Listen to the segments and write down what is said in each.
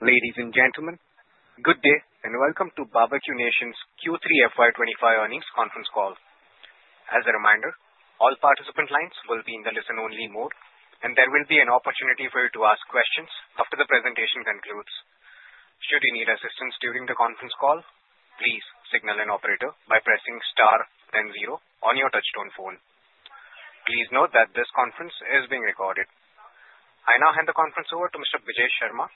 Ladies and gentlemen, good day and welcome to Barbeque Nation's Q3 FY25 earnings conference call. As a reminder, all participant lines will be in the listen-only mode, and there will be an opportunity for you to ask questions after the presentation concludes. Should you need assistance during the conference call, please signal an operator by pressing star then zero on your touchtone phone. Please note that this conference is being recorded. I now hand the conference over to Mr. Bijay Sharma.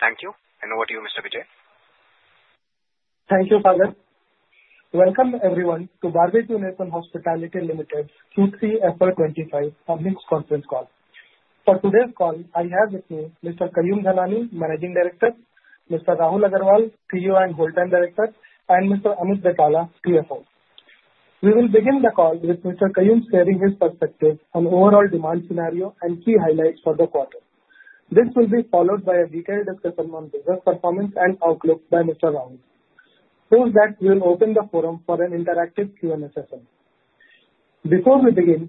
Thank you, and over to you, Mr. Bijay. Thank you, Sagar. Welcome, everyone, to Barbeque Nation Hospitality Limited Q3 FY25 earnings conference call. For today's call, I have with me Mr. Kayum Dhanani, Managing Director, Mr. Rahul Agrawal, CEO and Whole Time Director, and Mr. Amit Betala, CFO. We will begin the call with Mr. Kayum sharing his perspective on overall demand scenario and key highlights for the quarter. This will be followed by a detailed discussion on business performance and outlook by Mr. Rahul. Post that, we will open the forum for an interactive Q&A session. Before we begin,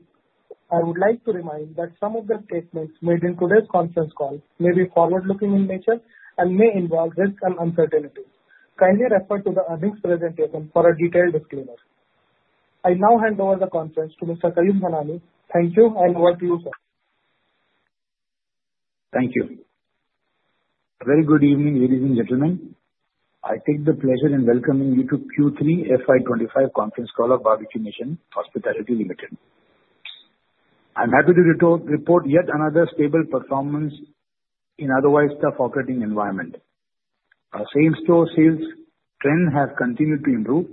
I would like to remind that some of the statements made in today's conference call may be forward-looking in nature and may involve risk and uncertainty. Kindly refer to the earnings presentation for a detailed disclaimer. I now hand over the conference to Mr. Kayum Dhanani. Thank you, and over to you, sir. Thank you. A very good evening, ladies and gentlemen. I take the pleasure in welcoming you to Q3 FY25 conference call of Barbeque Nation Hospitality Limited. I'm happy to report yet another stable performance in an otherwise tough operating environment. Our same-store sales trend has continued to improve.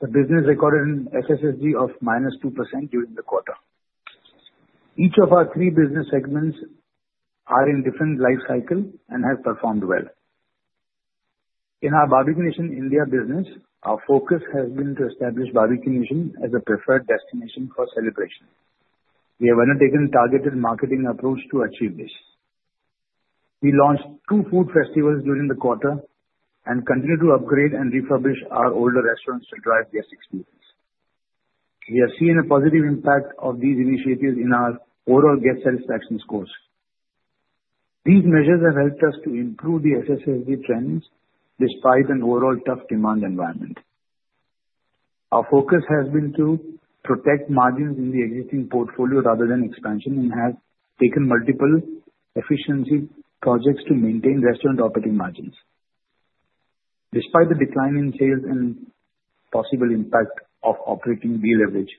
The business recorded an SSSG of -2% during the quarter. Each of our three business segments are in different life cycles and have performed well. In our Barbeque Nation India business, our focus has been to establish Barbeque Nation as a preferred destination for celebration. We have undertaken a targeted marketing approach to achieve this. We launched two food festivals during the quarter and continue to upgrade and refurbish our older restaurants to drive guest experience. We have seen a positive impact of these initiatives in our overall guest satisfaction scores. These measures have helped us to improve the SSSG trends despite an overall tough demand environment. Our focus has been to protect margins in the existing portfolio rather than expansion and have taken multiple efficiency projects to maintain restaurant operating margins. Despite the decline in sales and possible impact of operating de-leverage,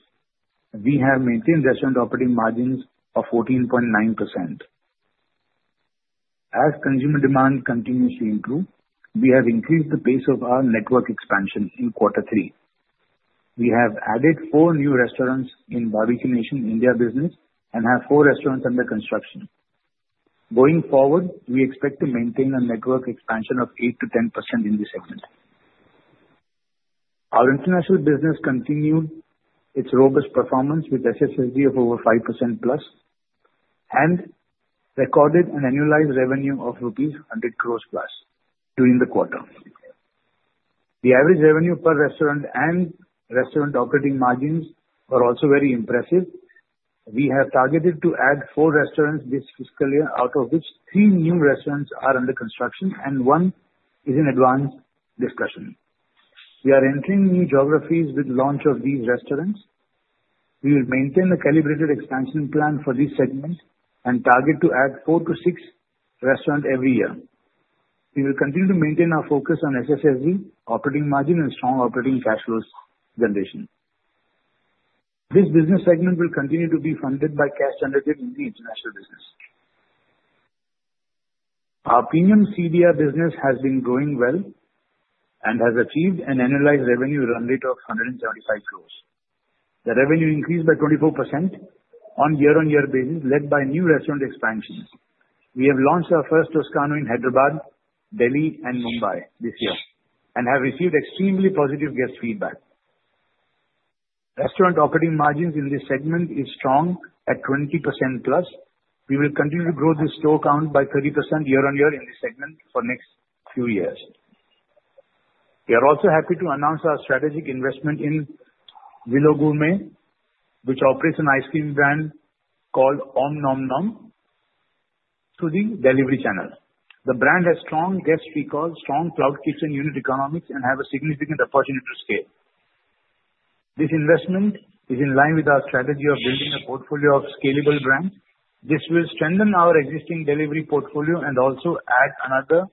we have maintained restaurant operating margins of 14.9%. As consumer demand continues to improve, we have increased the pace of our network expansion in quarter three. We have added four new restaurants in Barbeque Nation India business and have four restaurants under construction. Going forward, we expect to maintain a network expansion of 8%-10% in this segment. Our international business continued its robust performance with SSSG of over 5%+ and recorded an annualized revenue of 100 crores+ during the quarter. The average revenue per restaurant and restaurant operating margins were also very impressive. We have targeted to add four restaurants this fiscal year, out of which three new restaurants are under construction and one is in advanced discussion. We are entering new geographies with the launch of these restaurants. We will maintain a calibrated expansion plan for this segment and target to add four to six restaurants every year. We will continue to maintain our focus on SSSG, operating margin, and strong operating cash flows generation. This business segment will continue to be funded by cash generated in the international business. Our premium CDR business has been growing well and has achieved an annualized revenue run rate of 175 crores. The revenue increased by 24% on a YoY basis, led by new restaurant expansions. We have launched our first Toscano in Hyderabad, Delhi, and Mumbai this year and have received extremely positive guest feedback. Restaurant operating margins in this segment are strong at 20%+. We will continue to grow this store count by 30% YoY in this segment for the next few years. We are also happy to announce our strategic investment in Willow Gourmet, which operates an ice cream brand called Om Nom Nom through the delivery channel. The brand has strong guest recall, strong cloud kitchen unit economics, and has a significant opportunity to scale. This investment is in line with our strategy of building a portfolio of scalable brands. This will strengthen our existing delivery portfolio and also add another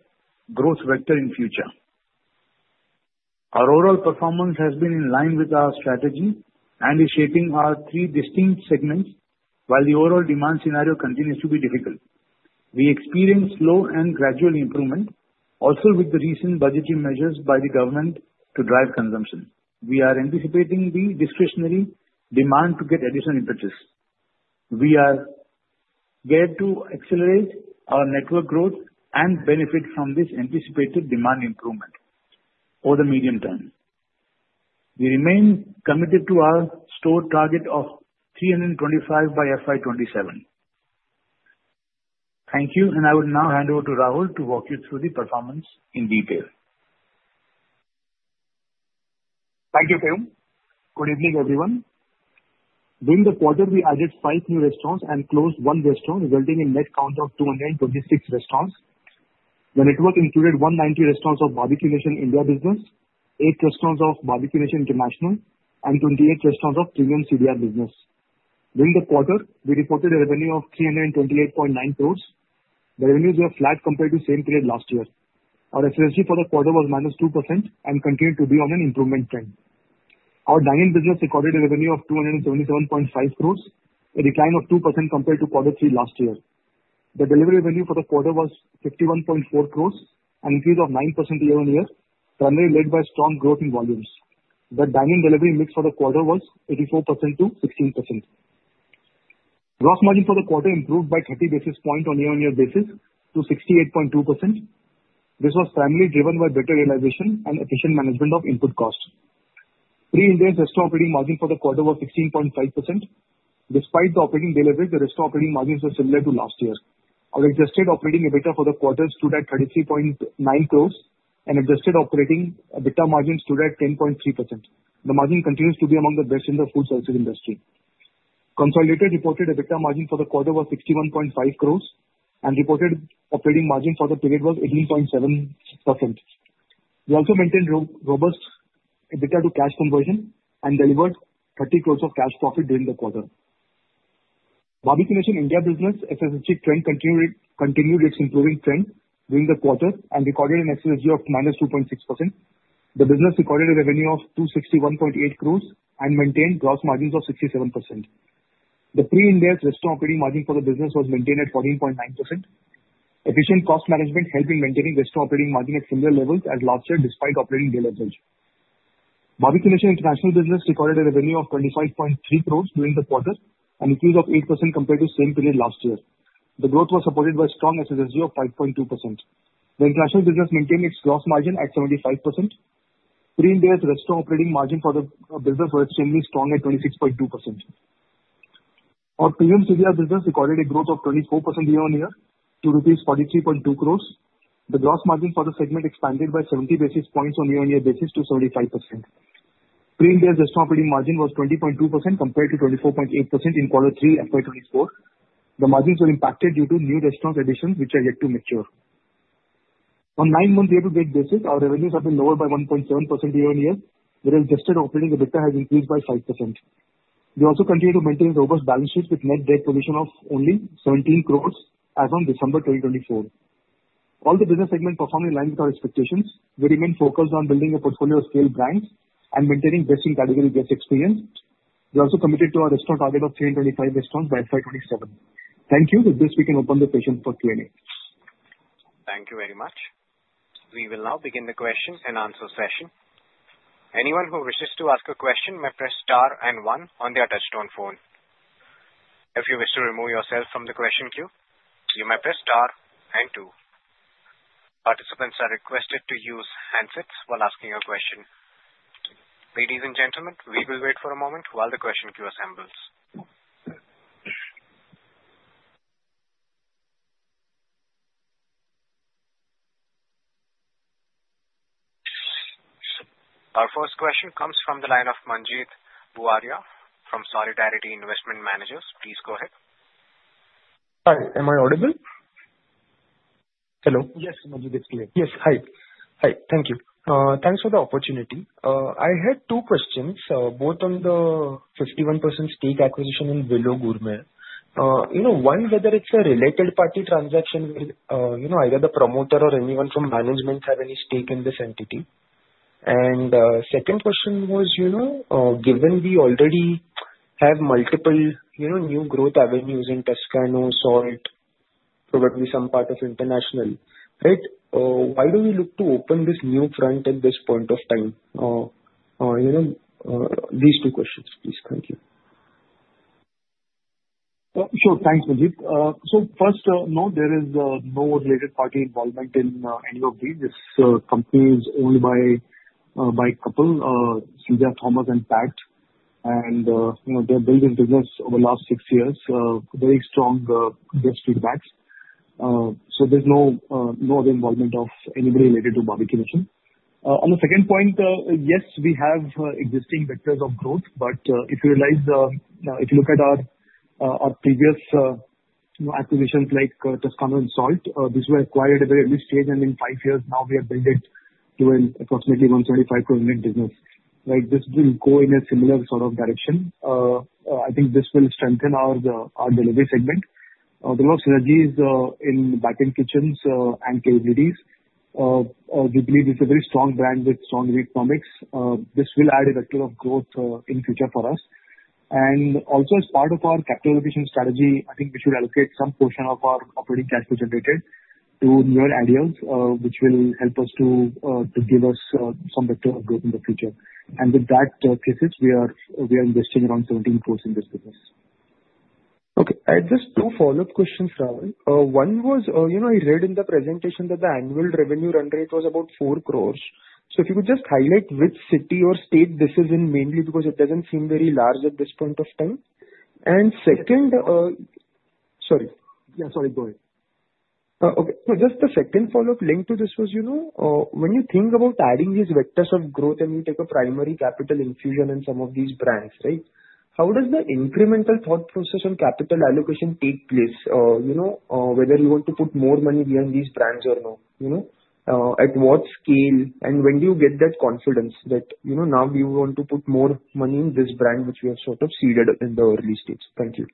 growth vector in the future. Our overall performance has been in line with our strategy and is shaping our three distinct segments while the overall demand scenario continues to be difficult. We experience slow and gradual improvement, also with the recent budgetary measures by the government to drive consumption. We are anticipating the discretionary demand to get additional impetus. We are there to accelerate our network growth and benefit from this anticipated demand improvement over the medium term. We remain committed to our store target of 325 by FY27. Thank you, and I will now hand over to Rahul to walk you through the performance in detail. Thank you, Kayum. Good evening, everyone. During the quarter, we added five new restaurants and closed one restaurant, resulting in a net count of 226 restaurants. The network included 190 restaurants of Barbeque Nation India business, eight restaurants of Barbeque Nation International, and 28 restaurants of premium CDR business. During the quarter, we reported a revenue of 328.9 crores. The revenues were flat compared to the same period last year. Our SSSG for the quarter was -2% and continued to be on an improvement trend. Our dining business recorded a revenue of 277.5 crores, a decline of 2% compared to quarter three last year. The delivery revenue for the quarter was 51.4 crores, an increase of 9% YoY, primarily led by strong growth in volumes. The dining delivery mix for the quarter was 84% to 16%. Gross margin for the quarter improved by 30 basis points on a YoY basis to 68.2%. This was primarily driven by better realization and efficient management of input cost. Pre IND-AS restaurant operating margin for the quarter was 16.5%. Despite the operating de-leverage, the restaurant operating margins were similar to last year. Our adjusted operating EBITDA for the quarter stood at 33.9 crores and adjusted operating EBITDA margin stood at 10.3%. The margin continues to be among the best in the food services industry. Consolidated reported EBITDA margin for the quarter was 61.5 crores and reported operating margin for the period was 18.7%. We also maintained robust EBITDA to cash conversion and delivered 30 crores of cash profit during the quarter. Barbeque Nation India business SSSG trend continued its improving trend during the quarter and recorded an SSSG of -2.6%. The business recorded a revenue of 261.8 crores and maintained gross margins of 67%. The Pre IND-AS restaurant operating margin for the business was maintained at 14.9%. Efficient cost management helped in maintaining restaurant operating margin at similar levels as last year despite operating de-leverage. Barbeque Nation International business recorded a revenue of 25.3 crores during the quarter and increased of 8% compared to the same period last year. The growth was supported by strong SSSG of 5.2%. The international business maintained its gross margin at 75%. Pre IND-AS restaurant operating margin for the business was extremely strong at 26.2%. Our premium CDR business recorded a growth of 24% YoY to rupees 43.2 crores. The gross margin for the segment expanded by 70 basis points on a YoY basis to 75%. Pre IND-AS restaurant operating margin was 20.2% compared to 24.8% in quarter three FY24. The margins were impacted due to new restaurant additions, which are yet to mature. On a nine-month year-to-date basis, our revenues have been lower by 1.7% YoY, whereas adjusted operating EBITDA has increased by 5%. We also continue to maintain robust balance sheets with net debt position of only 17 crores as of December 2024. While the business segment performed in line with our expectations, we remained focused on building a portfolio of scaled brands and maintaining best-in-category guest experience. We are also committed to our restaurant target of 325 restaurants by FY27. Thank you. With this, we can open the session for Q&A. Thank you very much. We will now begin the question and answer session. Anyone who wishes to ask a question may press star and one on their touch-tone phone. If you wish to remove yourself from the question queue, you may press star and two. Participants are requested to use handsets while asking a question. Ladies and gentlemen, we will wait for a moment while the question queue assembles. Our first question comes from the line of Manjeet Buaria from Solidarity Investment Managers. Please go ahead. Hi, am I audible? Hello. Yes, Manjeet, it's clear. Yes, hi. Hi, thank you. Thanks for the opportunity. I had two questions, both on the 51% stake acquisition in Willow Gourmet. One, whether it's a related-party transaction where either the promoter or anyone from management has any stake in this entity. And the second question was, given we already have multiple new growth avenues in Toscano, Salt, probably some part of international, why do we look to open this new front at this point of time? These two questions, please. Thank you. Sure. Thanks, Manjeet. So first, no, there is no related-party involvement in any of these. This company is owned by a couple, Cynthia Thomas and Pat, and they have built this business over the last six years, very strong guest feedbacks. So there's no other involvement of anybody related to Barbeque Nation. On the second point, yes, we have existing vectors of growth, but if you realize, if you look at our previous acquisitions like Toscano and Salt, this was acquired at a very early stage, and in five years now, we have built it to an approximately 125 crores net business. This will go in a similar sort of direction. I think this will strengthen our delivery segment. The word synergies in back-end kitchens and capabilities, we believe it's a very strong brand with strong economics. This will add a vector of growth in the future for us. Also, as part of our capital allocation strategy, I think we should allocate some portion of our operating cash we generated to newer ideas, which will help us to give us some vector of growth in the future. And with that thesis, we are investing around 17 crores in this business. Okay. I have just two follow-up questions, Rahul. One was, I read in the presentation that the annual revenue run rate was about 4 crores. So if you could just highlight which city or state this is in mainly because it doesn't seem very large at this point of time. And second. Sorry. Yeah, sorry. Go ahead. Okay. So just the second follow-up link to this was, when you think about adding these vectors of growth and you take a primary capital infusion in some of these brands, right, how does the incremental thought process on capital allocation take place, whether you want to put more money behind these brands or not? At what scale? And when do you get that confidence that now we want to put more money in this brand, which we have sort of seeded in the early stage? Thank you.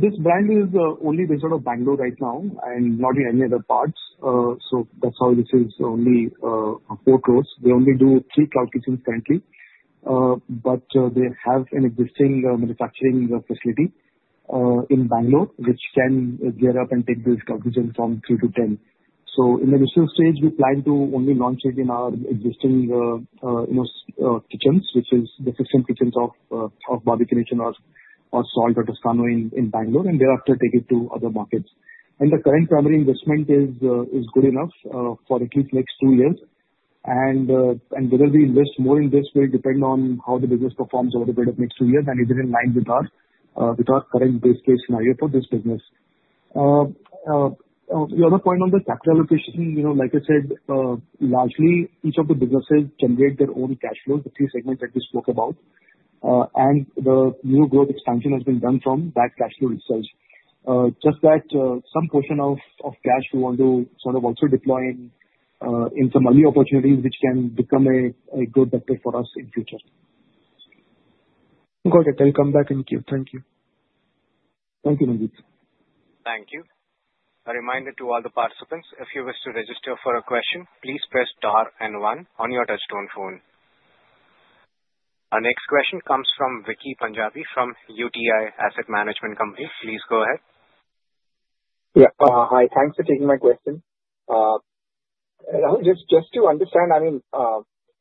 This brand is only based out of Bangalore right now and not in any other parts. That's how this is only 4 crores. We only do three cloud kitchens currently, but they have an existing manufacturing facility in Bangalore, which can gear up and take this cloud kitchen from 3 to 10. In the initial stage, we plan to only launch it in our existing kitchens, which is the fixed kitchens of Barbeque Nation or Salt or Toscano in Bangalore, and thereafter take it to other markets. The current primary investment is good enough for at least the next two years. Whether we invest more in this will depend on how the business performs over the next two years and is it in line with our current base case scenario for this business. The other point on the capital allocation, like I said, largely each of the businesses generate their own cash flows, the three segments that we spoke about, and the new growth expansion has been done from that cash flow itself. Just that some portion of cash we want to sort of also deploy in some early opportunities, which can become a good vector for us in the future. Got it. I'll come back and queue. Thank you. Thank you, Manjeet. Thank you. A reminder to all the participants, if you wish to register for a question, please press star and one on your touch-tone phone. Our next question comes from Vicky Punjabi from UTI Asset Management Company. Please go ahead. Yeah. Hi. Thanks for taking my question. Just to understand, I mean,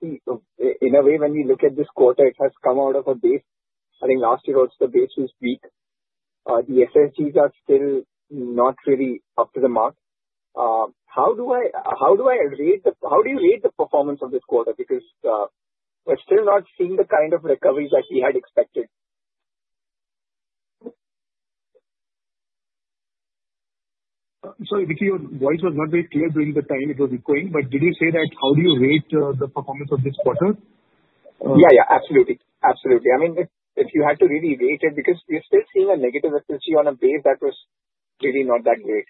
in a way, when we look at this quarter, it has come out of a base. I think last year the base was weak. The SSSGs are still not really up to the mark. How do you rate the performance of this quarter? Because we're still not seeing the kind of recovery that we had expected. Sorry, Vicky, your voice was not very clear during the time it was recording, but did you say that how do you rate the performance of this quarter? Yeah, yeah. Absolutely. Absolutely. I mean, if you had to really rate it, because we're still seeing a negative SSSG on a base that was really not that great.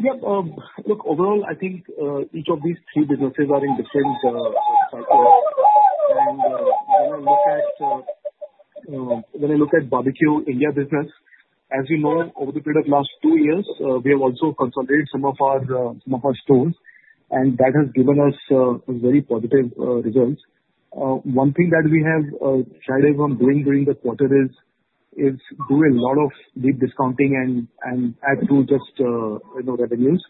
Yeah. Look, overall, I think each of these three businesses are in different cycles. When I look at Barbeque India business, as you know, over the period of the last two years, we have also consolidated some of our stores, and that has given us very positive results. One thing that we have tried to do during the quarter is do a lot of deep discounting and add to just revenues.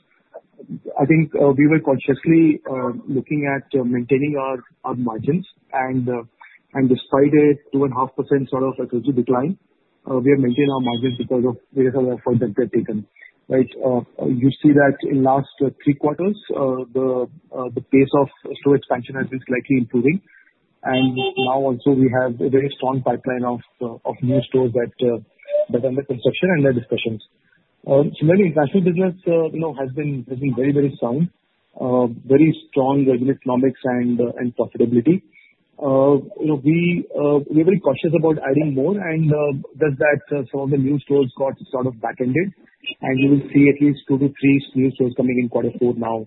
I think we were consciously looking at maintaining our margins, and despite a 2.5% sort of SSSG decline, we have maintained our margins because of various other efforts that we have taken, right? You see that in the last three quarters, the pace of store expansion has been slightly improving, and now also we have a very strong pipeline of new stores that are under construction and their discussions. Similarly, international business has been very, very sound, very strong revenue economics and profitability. We are very cautious about adding more, and just that some of the new stores got sort of back-ended, and you will see at least two to three new stores coming in quarter four now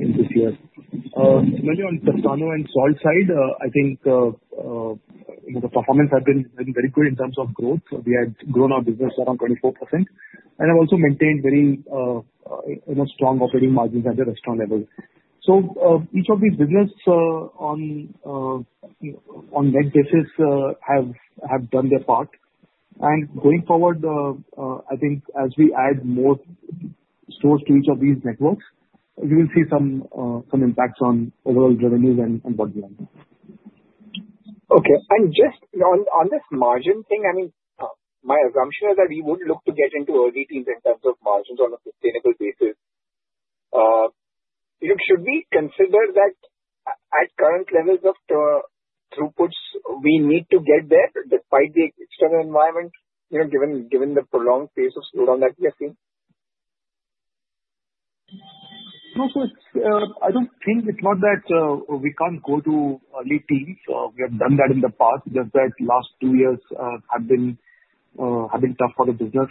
in this year. Similarly, on Toscano and Salt side, I think the performance has been very good in terms of growth. We had grown our business around 24%, and have also maintained very strong operating margins at the restaurant level. So each of these businesses on net basis have done their part, and going forward, I think as we add more stores to each of these networks, we will see some impacts on overall revenues and bottom line. Okay. And just on this margin thing, I mean, my assumption is that we would look to get into early teens in terms of margins on a sustainable basis. Should we consider that at current levels of throughputs, we need to get there despite the external environment, given the prolonged phase of slowdown that we have seen? No, I don't think it's not that we can't go to early teens. We have done that in the past. Just that last two years have been tough for the business,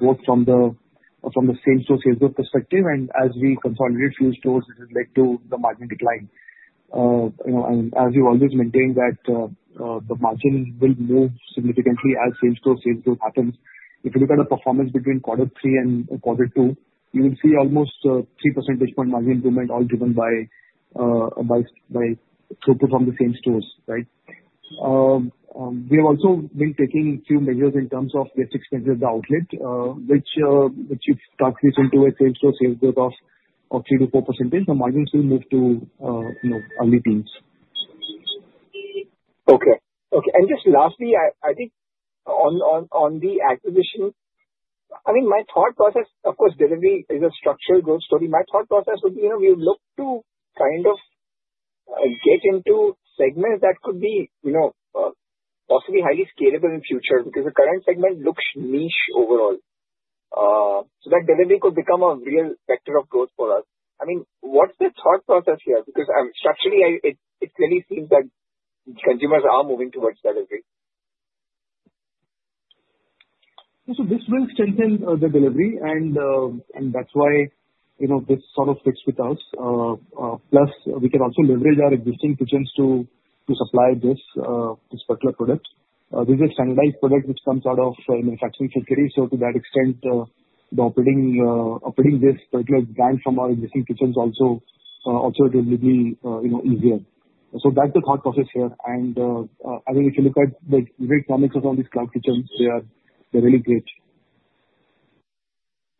both from the same-store sales growth perspective, and as we consolidate a few stores, this has led to the margin decline. As we've always maintained that the margin will move significantly as same-store sales growth happens. If you look at the performance between quarter three and quarter two, you will see almost 3 percentage points margin improvement, all driven by throughput from the same stores, right? We have also been taking a few measures in terms of the expenses of the outlet, which we've taken recently to a same-store sales growth of 3% to 4%. The margins will move to early teens. Okay. And just lastly, I think on the acquisition, I mean, my thought process, of course, delivery is a structural growth story. My thought process would be we would look to kind of get into segments that could be possibly highly scalable in the future because the current segment looks niche overall. So that delivery could become a real vector of growth for us. I mean, what's the thought process here? Because structurally, it clearly seems that consumers are moving towards delivery. So this will strengthen the delivery, and that's why this sort of fits with us. Plus, we can also leverage our existing kitchens to supply this particular product. This is a standardized product which comes out of manufacturing facilities. So to that extent, operating this particular brand from our existing kitchens also will be easier. So that's the thought process here. And I think if you look at the economics of all these cloud kitchens, they are really great.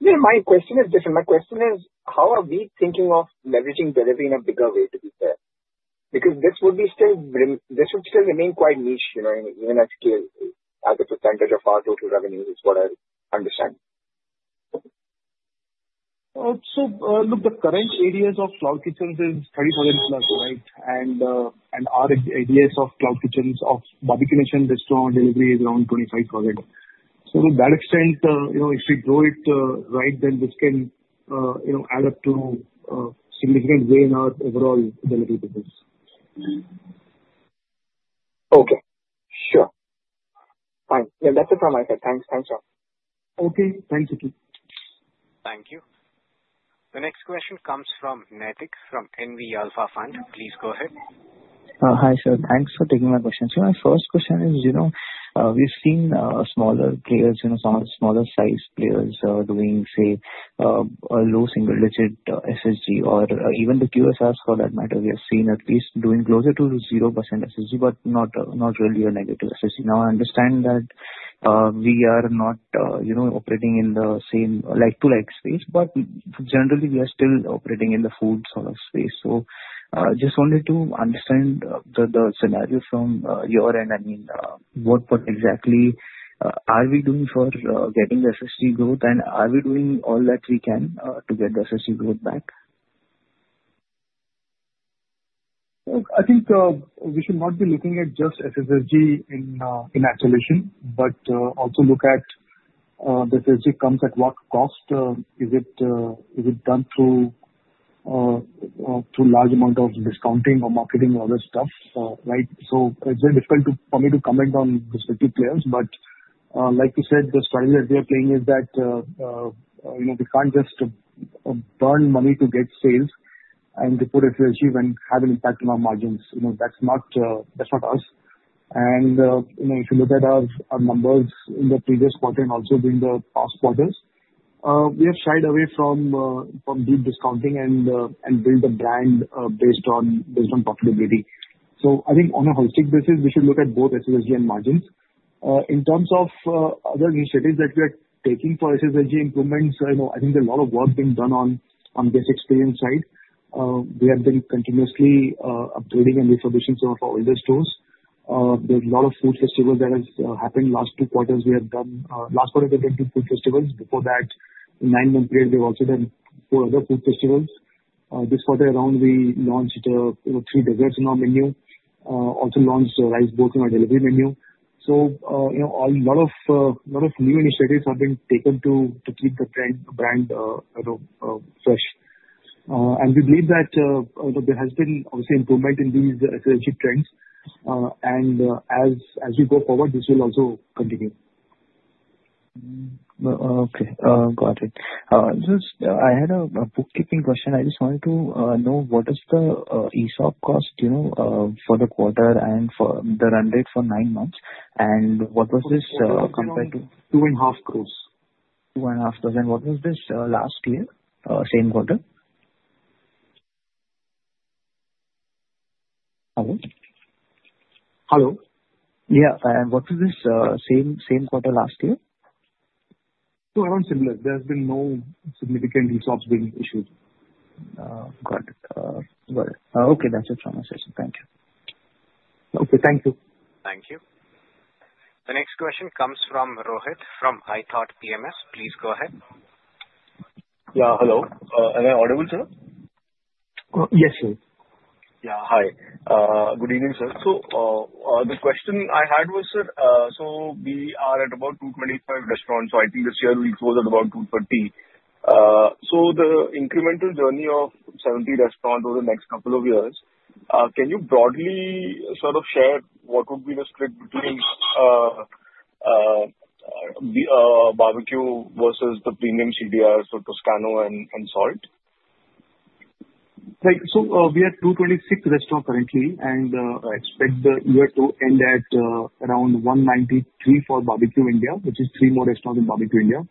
My question is different. My question is, how are we thinking of leveraging delivery in a bigger way, to be fair? Because this would still remain quite niche, even at scale, as a percentage of our total revenue, is what I understand. So look, the current areas of cloud kitchens is 30,000+, right? And our areas of cloud kitchens of Barbeque Nation restaurant delivery is around 25,000. So to that extent, if we grow it right, then this can add up to a significant way in our overall delivery business. Okay. Sure. Fine. Yeah, that's it from my side. Thanks. Thanks, Rahul. Okay. Thanks, Vicky. Thank you. The next question comes from Naitik from NV Alpha Fund. Please go ahead. Hi, sir. Thanks for taking my question. So my first question is, we've seen smaller players, smaller size players doing, say, a low single-digit SSSG, or even the QSRs, for that matter, we have seen at least doing closer to 0% SSSG, but not really a negative SSSG. Now, I understand that we are not operating in the same two-legged space, but generally, we are still operating in the food sort of space. So just wanted to understand the scenario from your end. I mean, what exactly are we doing for getting SSSG growth, and are we doing all that we can to get the SSSG growth back? I think we should not be looking at just SSSG in isolation, but also look at the SSSG comes at what cost? Is it done through a large amount of discounting or marketing or other stuff, right? So it's very difficult for me to comment on the specific players, but like you said, the strategy that we are playing is that we can't just burn money to get sales and to put SSSG and have an impact on our margins. That's not us. And if you look at our numbers in the previous quarter and also during the past quarters, we have shied away from deep discounting and built a brand based on profitability. So I think on a holistic basis, we should look at both SSSG and margins. In terms of other initiatives that we are taking for SSSG improvements, I think there's a lot of work being done on this experience side. We have been continuously upgrading and refurbishing some of our older stores. There's a lot of food festivals that have happened in the last two quarters. We have done last quarter, we have done two food festivals. Before that, in the nine-month period, we have also done four other food festivals. This quarter around, we launched three desserts in our menu, also launched rice bowls in our delivery menu. So a lot of new initiatives have been taken to keep the brand fresh. And we believe that there has been obviously improvement in these SSSG trends, and as we go forward, this will also continue. Okay. Got it. I had a bookkeeping question. I just wanted to know what is the ESOP cost for the quarter and for the run rate for nine months, and what was this compared to? 2.5 crores. 2.5 crores, and what was this last year, same quarter? Hello? Hello? Yeah. And what was this same quarter last year? Around similar. There has been no significant ESOPs being issued. Got it. Got it. Okay. That's it from my side. Thank you. Okay. Thank you. Thank you. The next question comes from Rohit from iThought PMS. Please go ahead. Yeah. Hello. Am I audible, sir? Yes, sir. Yeah. Hi. Good evening, sir. So the question I had was, sir, so we are at about 225 restaurants. So I think this year we'll close at about 230. So the incremental journey of 70 restaurants over the next couple of years, can you broadly sort of share what would be the split between Barbeque versus the premium CDR, so Toscano and Salt? We have 226 restaurants currently, and I expect the year to end at around 193 for Barbeque India, which is three more restaurants in Barbeque India,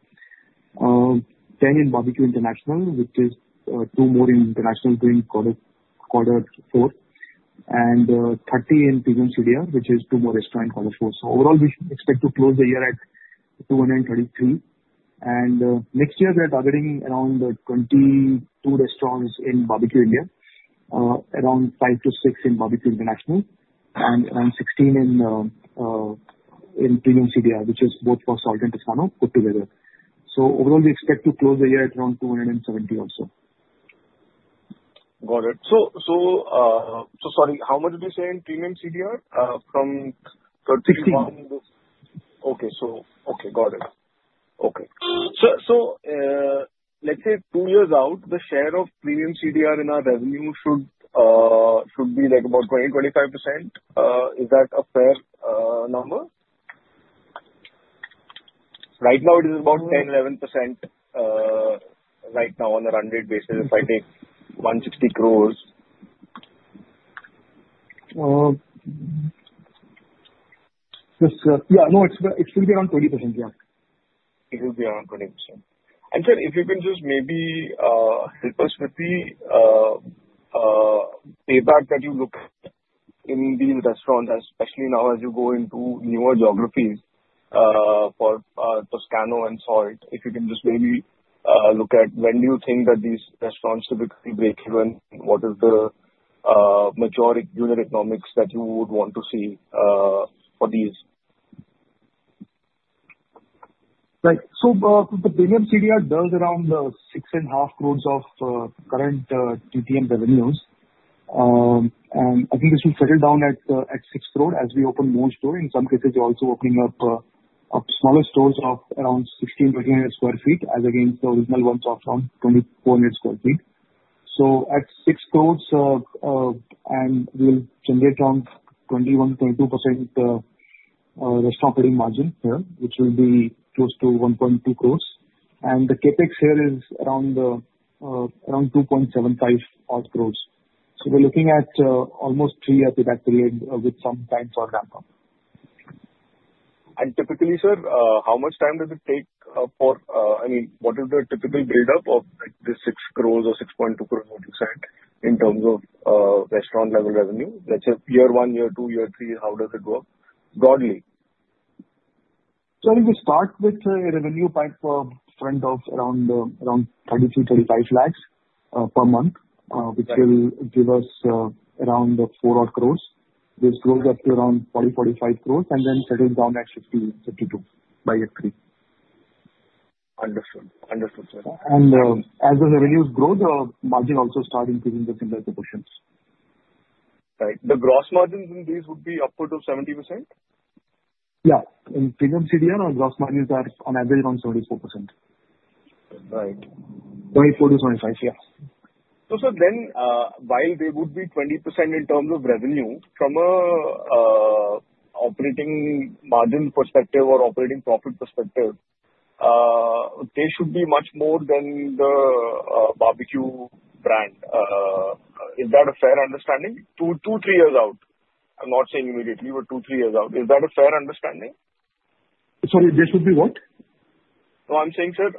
10 in Barbeque International, which is two more in International during quarter four, and 30 in premium CDR, which is two more restaurants in quarter four. Overall, we expect to close the year at 233. Next year, we are targeting around 22 restaurants in Barbeque India, around five to six in Barbeque International, and around 16 in premium CDR, which is both for Salt and Toscano put together. Overall, we expect to close the year at around 270 also. Got it. So sorry, how much did you say in premium CDR? From 31? 60. Okay. Got it. So let's say two years out, the share of premium CDR in our revenue should be like about 20-25%. Is that a fair number? Right now, it is about 10-11% on a run rate basis if I take 160 crores. Yes, sir. Yeah. No, it should be around 20%, yeah. It should be around 20%. And sir, if you can just maybe help us with the payback that you look at in these restaurants, especially now as you go into newer geographies for Toscano and Salt, if you can just maybe look at when do you think that these restaurants typically break even? What is the majority unit economics that you would want to see for these? Right. So the premium CDR burns around 6.5 crores of current TTM revenues, and I think it should settle down at 6 crores as we open more stores. In some cases, we're also opening up smaller stores of around 1,600-1,800 sq ft, as against the original ones of around 2,400 sq ft. So at 6 crores, we will generate around 21%-22% restaurant operating margin here, which will be close to 1.2 crores. And the Capex here is around 2.75 crores. So we're looking at almost three years with that period with some time for ramp-up. Typically, sir, how much time does it take for I mean, what is the typical buildup of the 6 crores or 6.2 crores that you said in terms of restaurant-level revenue? Let's say year one, year two, year three, how does it work broadly? I think we start with a revenue pipe front of around 33-35 lakhs per month, which will give us around 4 odd crores. This grows up to around 40-45 crores, and then settles down at 50-52 by year three. Understood. Understood, sir. As the revenues grow, the margin also starts increasing with similar proportions. Right. The gross margins in these would be upward of 70%? Yeah. In premium CDR, our gross margins are on average around 74%. Right. 74% to 75%, yeah. So sir, then while they would be 20% in terms of revenue, from an operating margin perspective or operating profit perspective, they should be much more than the Barbeque brand. Is that a fair understanding? Two, three years out. I'm not saying immediately, but two, three years out. Is that a fair understanding? Sorry, they should be what? No, I'm saying, sir,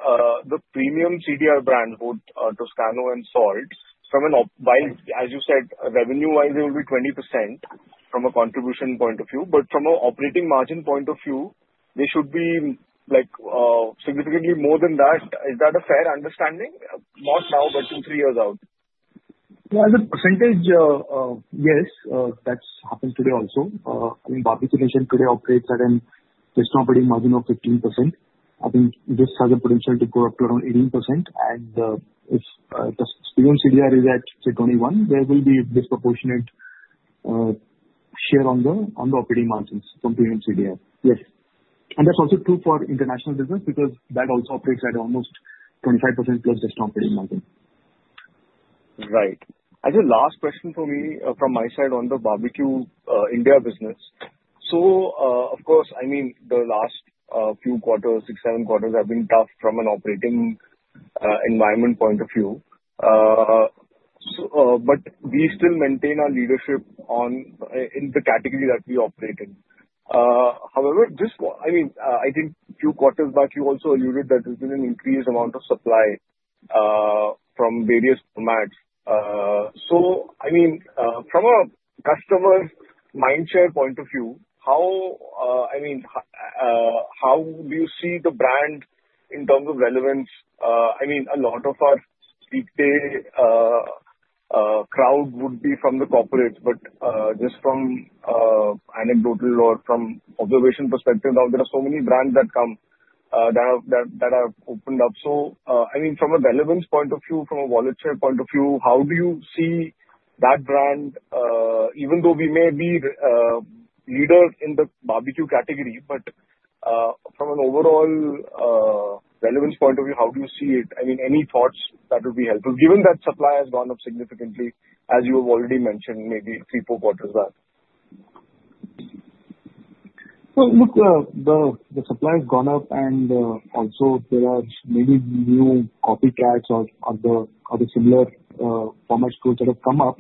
the premium CDR brand, both Toscano and Salt, from an op, as you said, revenue-wise, they will be 20% from a contribution point of view, but from an operating margin point of view, they should be significantly more than that. Is that a fair understanding? Not now, but two, three years out. The percentage, yes, that's happened today also. I mean, Barbeque Nation today operates at a restaurant operating margin of 15%. I think this has a potential to go up to around 18%, and if the premium CDR is at, say, 21%, there will be a disproportionate share on the operating margins from premium CDR. Yes. And that's also true for international business because that also operates at almost 25%+ restaurant operating margin. Right, and your last question for me from my side on the Barbeque India business, so of course, I mean, the last few quarters, six, seven quarters have been tough from an operating environment point of view, but we still maintain our leadership in the category that we operate in. However, I mean, I think a few quarters back, you also alluded that there's been an increased amount of supply from various formats, so I mean, from a customer mindshare point of view, I mean, how do you see the brand in terms of relevance? I mean, a lot of our weekday crowd would be from the corporates, but just from anecdotal or from observation perspective, now there are so many brands that have opened up. I mean, from a relevance point of view, from a valuation point of view, how do you see that brand, even though we may be leader in the Barbeque category, but from an overall relevance point of view, how do you see it? I mean, any thoughts that would be helpful, given that supply has gone up significantly, as you have already mentioned, maybe three, four quarters back? Well, look, the supply has gone up, and also there are many new copycats or the similar format schools that have come up.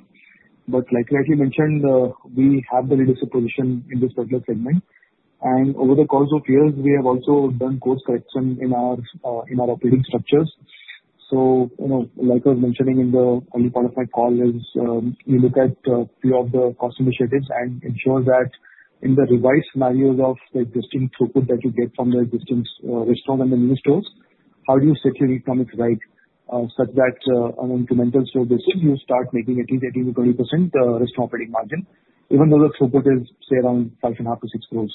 But like you mentioned, we have the leadership position in this particular segment, and over the course of years, we have also done course correction in our operating structures. So like I was mentioning in the early part of my call, we look at a few of the cost initiatives and ensure that in the revised scenarios of the existing throughput that you get from the existing restaurants and the new stores, how do you set your economics right such that on an incremental slope basis, you start making at least 18%-20% restaurant operating margin, even though the throughput is, say, around 5.5-6 crores,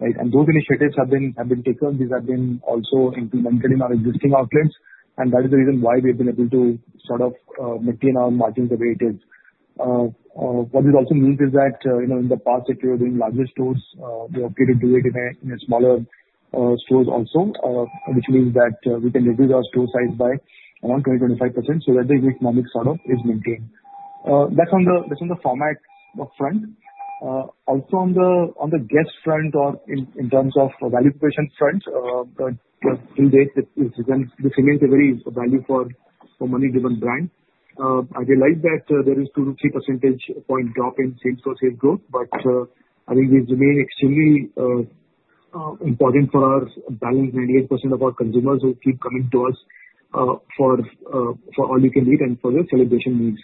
right? And those initiatives have been taken. These have been also implemented in our existing outlets, and that is the reason why we have been able to sort of maintain our margins the way it is. What this also means is that in the past, if you were doing larger stores, we have to do it in smaller stores also, which means that we can reduce our store size by around 20-25% so that the economics sort of is maintained. That's on the format front. Also on the guest front or in terms of value proposition front, the same category is value for money-driven brand. I realize that there is two to three percentage point drop in sales for sales growth, but I think these remain extremely important for our balance, 98% of our consumers who keep coming to us for all-you-can-eat and for their celebration needs.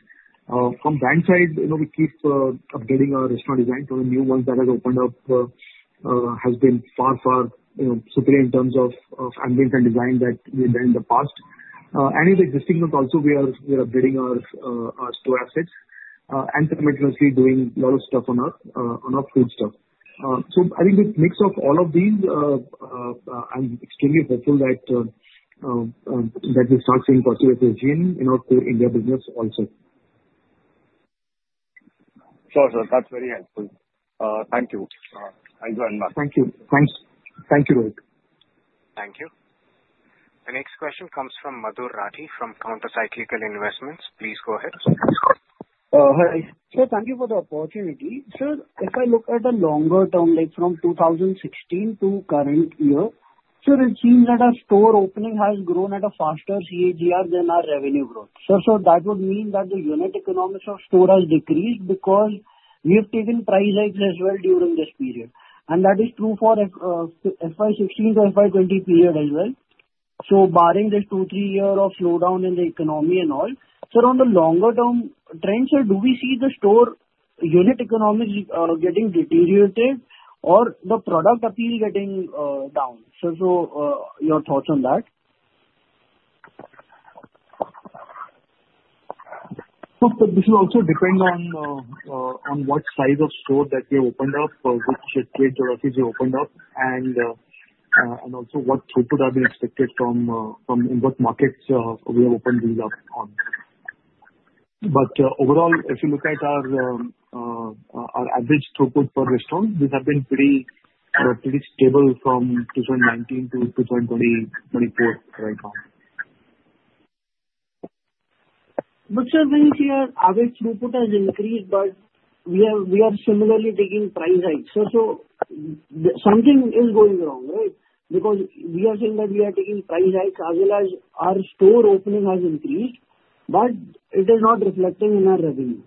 From brand side, we keep updating our restaurant design. The new ones that have opened up have been far, far superior in terms of ambiance and design that we have done in the past, and in the existing ones also, we are updating our store assets and simultaneously doing a lot of stuff on our food stuff, so I think with the mix of all of these, I'm extremely hopeful that we start seeing positive changes in our India business also. Sure, sir. That's very helpful. Thank you. Thank you very much. Thank you. Thanks. Thank you, Rohit. Thank you. The next question comes from Madhur Rathi from Counter Cyclical Investments. Please go ahead. Hi. Sir, thank you for the opportunity. Sir, if I look at the longer term, like from 2016 to current year, sir, it seems that our store opening has grown at a faster CAGR than our revenue growth. So that would mean that the unit economics of store has decreased because we have taken price hikes as well during this period, and that is true for FY 2016 to FY 2020 period as well, so barring this two, three year of slowdown in the economy and all, sir, on the longer term trend, sir, do we see the store unit economics getting deteriorated or the product appeal getting down, so sir, your thoughts on that? This will also depend on what size of store that we opened up, which trade geographies we opened up, and also what throughput has been expected from what markets we have opened these up on. But overall, if you look at our average throughput per restaurant, these have been pretty stable from 2019 to 2024 right now. But, sir, when you see our average throughput has increased, but we are similarly taking price hikes. So, sir, something is going wrong, right? Because we are saying that we are taking price hikes as well as our store opening has increased, but it is not reflecting in our revenue.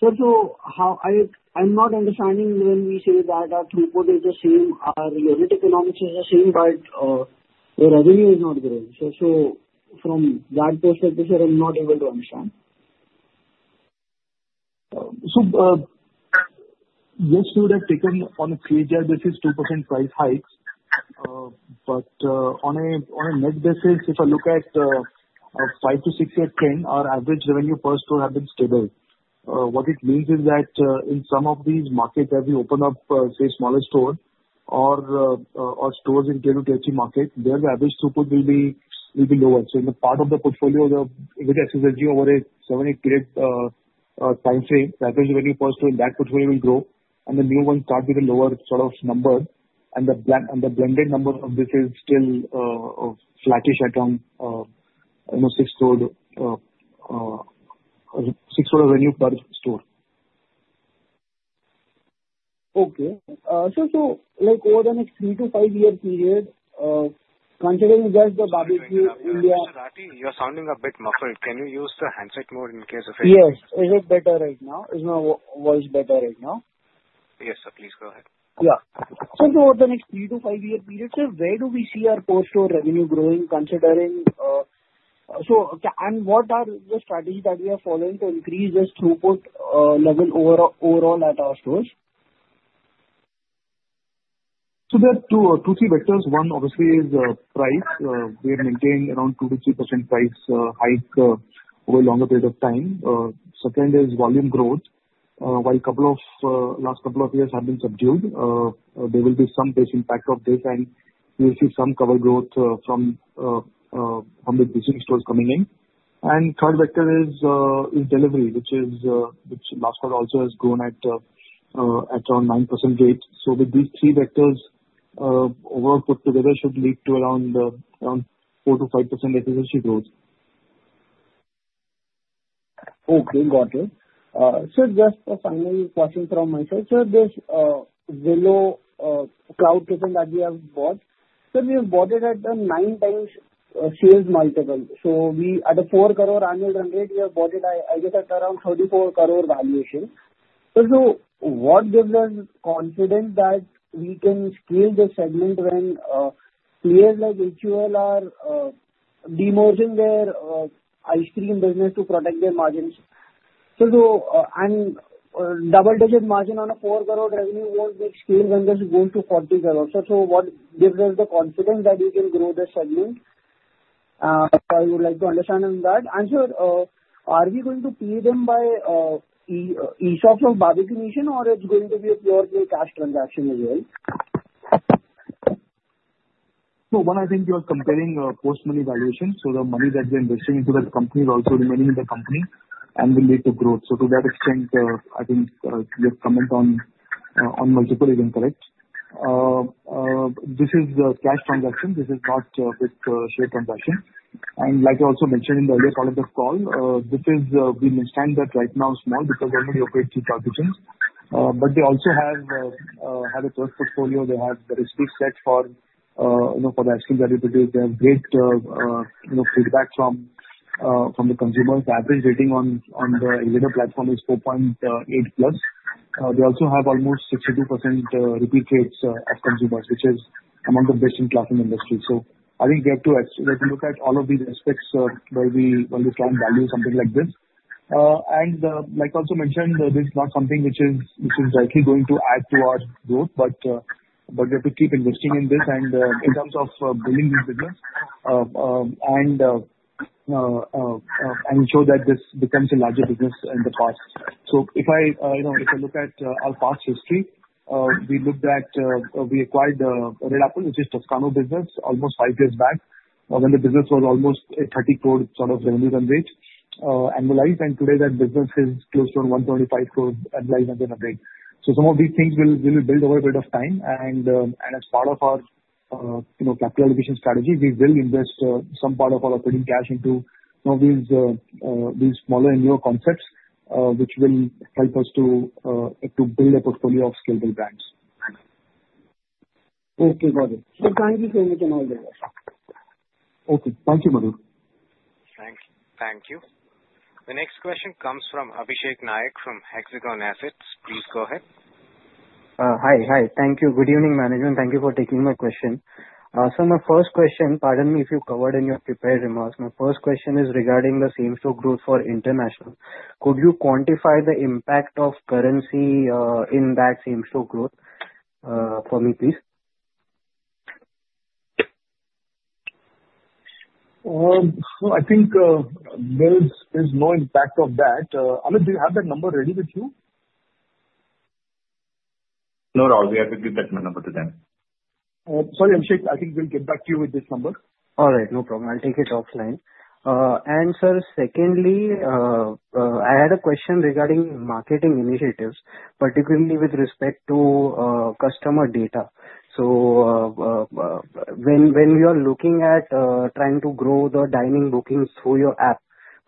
So, sir, I'm not understanding when we say that our throughput is the same, our unit economics is the same, but the revenue is not growing. So, sir, from that perspective, sir, I'm not able to understand. So yes, we would have taken on a CAGR basis 2% price hikes, but on a net basis, if I look at 5 to 6 year trend, our average revenue per store has been stable. What it means is that in some of these markets that we open up, say, smaller stores or stores in K2KC market, there the average throughput will be lower. So in the part of the portfolio, with SSSG over a 7-8 period time frame, the average revenue per store in that portfolio will grow, and the new ones start with a lower sort of number, and the blended number of this is still flattish at around 6 crore revenue per store. Okay. So, sir, like over the next three-to-five-year period, considering just the Barbeque India. Mr. Rathi, you're sounding a bit muffled. Can you use the handset mode in case of any? Yes. Is it better right now? Is my voice better right now? Yes, sir. Please go ahead. Yeah. So, sir, over the next three- to five-year period, sir, where do we see our per store revenue growing, considering? And what are the strategies that we are following to increase this throughput level overall at our stores? There are two, three vectors. One, obviously, is price. We have maintained around 2%-3% price hike over a longer period of time. Second is volume growth. While last couple of years have been subdued, there will be some base effect of this, and we will see some core growth from the existing stores coming in. And third vector is delivery, which last quarter also has grown at around 9% rate. With these three vectors overall put together, it should lead to around 4%-5% SSSG growth. Okay. Got it. Sir, just a final question from myself. Sir, this Willow cloud kitchen that we have bought, sir, we have bought it at a 9 times sales multiple. So at an 4 crore annual rent rate, we have bought it, I guess, at around 34 crore valuation. So, sir, what gives us confidence that we can scale this segment when players like HUL are de-merging their ice cream business to protect their margins? So, sir, and double-digit margin on an 4 crore revenue won't make scale vendors go to 40 crore. So, sir, what gives us the confidence that we can grow this segment? I would like to understand on that. And, sir, are we going to pay them by ESOPs of Barbeque Nation, or it's going to be a pure cash transaction as well? So when I think you are comparing post-money valuation, so the money that they're investing into the company is also remaining in the company and will lead to growth. So to that extent, I think your comment on multiple is incorrect. This is cash transaction. This is not with share transaction. And like I also mentioned in the earlier part of the call, we understand that right now small because they already operate two cloud kitchens, but they also have a growth portfolio. They have the recipe set for the ice cream that we produce. They have great feedback from the consumers. The average rating on the platform is 4.8+. They also have almost 62% repeat rates of consumers, which is among the best in class in the industry. So I think we have to look at all of these aspects when we try and value something like this. Like I also mentioned, this is not something which is directly going to add to our growth, but we have to keep investing in this and in terms of building this business and ensure that this becomes a larger business in the past. If I look at our past history, we looked at we acquired Red Apple, which is Toscano business, almost five years back when the business was almost 30 crore sort of revenue run rate annualized, and today that business is close to 125 crore annualized run rate. Some of these things will build over a period of time, and as part of our capital allocation strategy, we will invest some part of our operating cash into these smaller and newer concepts, which will help us to build a portfolio of scalable brands. Okay. Got it. Sir, thank you so much for all the work. Okay. Thank you, Madhur. Thank you. The next question comes from Abhishek Nayak from Hexagon Assets. Please go ahead. Hi. Hi. Thank you. Good evening, Manjeet. Thank you for taking my question. So my first question, pardon me if you covered in your prepared remarks, my first question is regarding the same store growth for international. Could you quantify the impact of currency in that same store growth for me, please? I think there is no impact of that. Amit, do you have that number ready with you? No, Rahul. We have to give that number to them. Sorry, Abhishek. I think we'll get back to you with this number. All right. No problem. I'll take it offline. And, sir, secondly, I had a question regarding marketing initiatives, particularly with respect to customer data. So when you are looking at trying to grow the dining bookings through your app,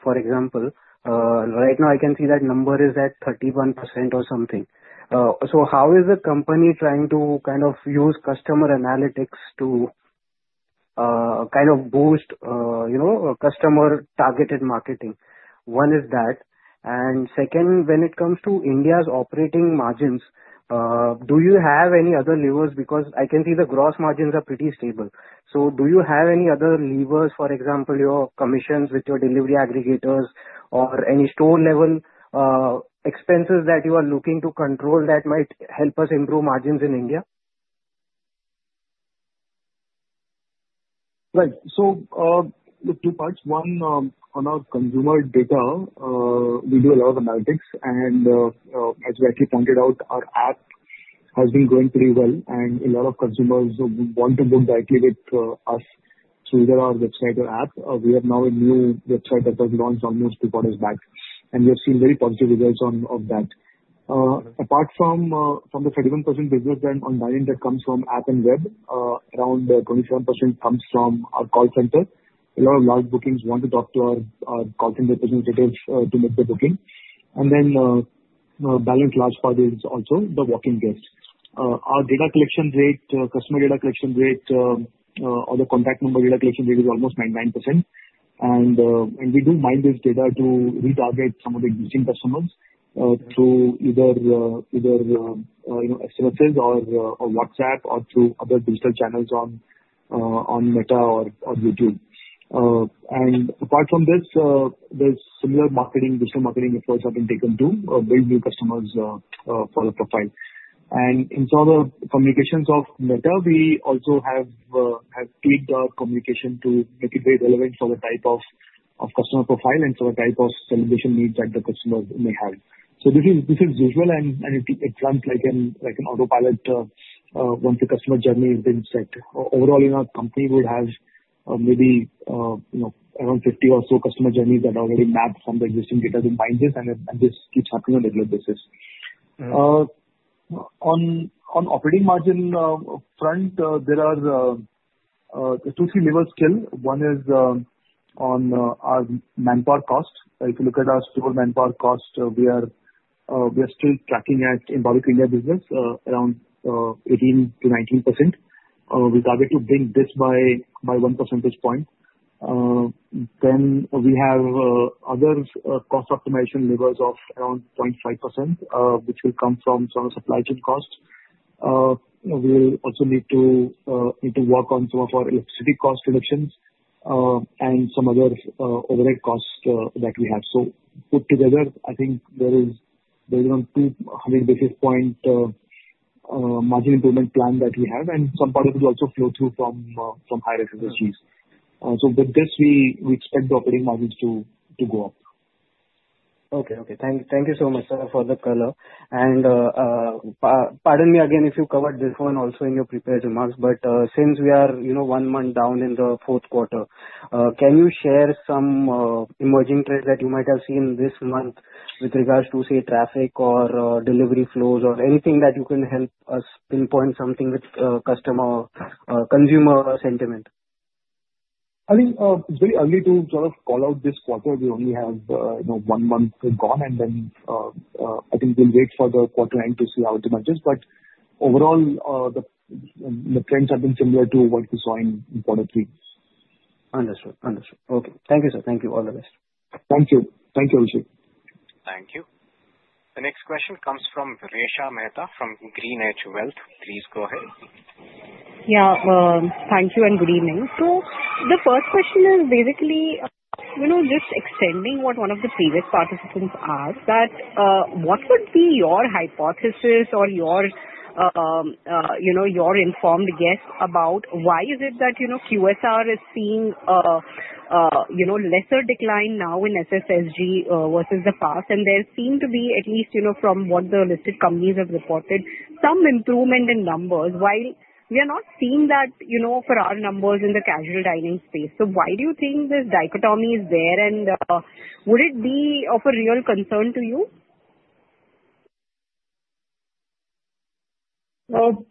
for example, right now I can see that number is at 31% or something. So how is the company trying to kind of use customer analytics to kind of boost customer targeted marketing? One is that. And second, when it comes to India's operating margins, do you have any other levers? Because I can see the gross margins are pretty stable. So do you have any other levers, for example, your commissions with your delivery aggregators or any store-level expenses that you are looking to control that might help us improve margins in India? Right, so the two parts. One, on our consumer data, we do a lot of analytics, and as you actually pointed out, our app has been going pretty well, and a lot of consumers want to book directly with us through our website or app. We have now a new website that was launched almost two quarters back, and we have seen very positive results on that. Apart from the 31% business on dining that comes from app and web, around 27% comes from our call center. A lot of large bookings want to talk to our call center representatives to make the booking, and then balance large part is also the walk-in guests. Our data collection rate, customer data collection rate, or the contact number data collection rate is almost 99%, and we do mine this data to retarget some of the existing customers through either SMS or WhatsApp or through other digital channels on Meta or YouTube. And apart from this, there's similar marketing, digital marketing efforts have been taken to build new customers for the profile. And in some of the communications of Meta, we also have tweaked our communication to make it very relevant for the type of customer profile and for the type of celebration needs that the customer may have. So this is usual, and it runs like an autopilot once the customer journey has been set. Overall, in our company, we would have maybe around 50 or so customer journeys that are already mapped from the existing data to mine this, and this keeps happening on a regular basis. On operating margin front, there are two, three levers still. One is on our manpower cost. If you look at our store manpower cost, we are still tracking at around 18%-19%. We target to bring this by 1 percentage point. Then we have other cost optimization levers of around 0.5%, which will come from some of the supply chain costs. We will also need to work on some of our electricity cost reductions and some other overhead costs that we have. So put together, I think there is around 200 basis point margin improvement plan that we have, and some part of it will also flow through from higher SSLGs. So with this, we expect the operating margins to go up. Okay. Okay. Thank you so much, sir, for the color. And pardon me again if you covered this one also in your prepared remarks, but since we are one month down in the fourth quarter, can you share some emerging trends that you might have seen this month with regards to, say, traffic or delivery flows or anything that you can help us pinpoint something with customer consumer sentiment? I mean, it's very early to sort of call out this quarter. We only have one month gone, and then I think we'll wait for the quarter end to see how it emerges. But overall, the trends have been similar to what we saw in quarter three. Understood. Understood. Okay. Thank you, sir. Thank you. All the best. Thank you. Thank you, Abhishek. Thank you. The next question comes from Resha Mehta from GreenEdge Wealth. Please go ahead. Yeah. Thank you and good evening. So the first question is basically just extending what one of the previous participants asked, that what would be your hypothesis or your informed guess about why is it that QSR is seeing lesser decline now in SSSG versus the past? And there seem to be, at least from what the listed companies have reported, some improvement in numbers, while we are not seeing that for our numbers in the casual dining space. So why do you think this dichotomy is there, and would it be of a real concern to you? Look,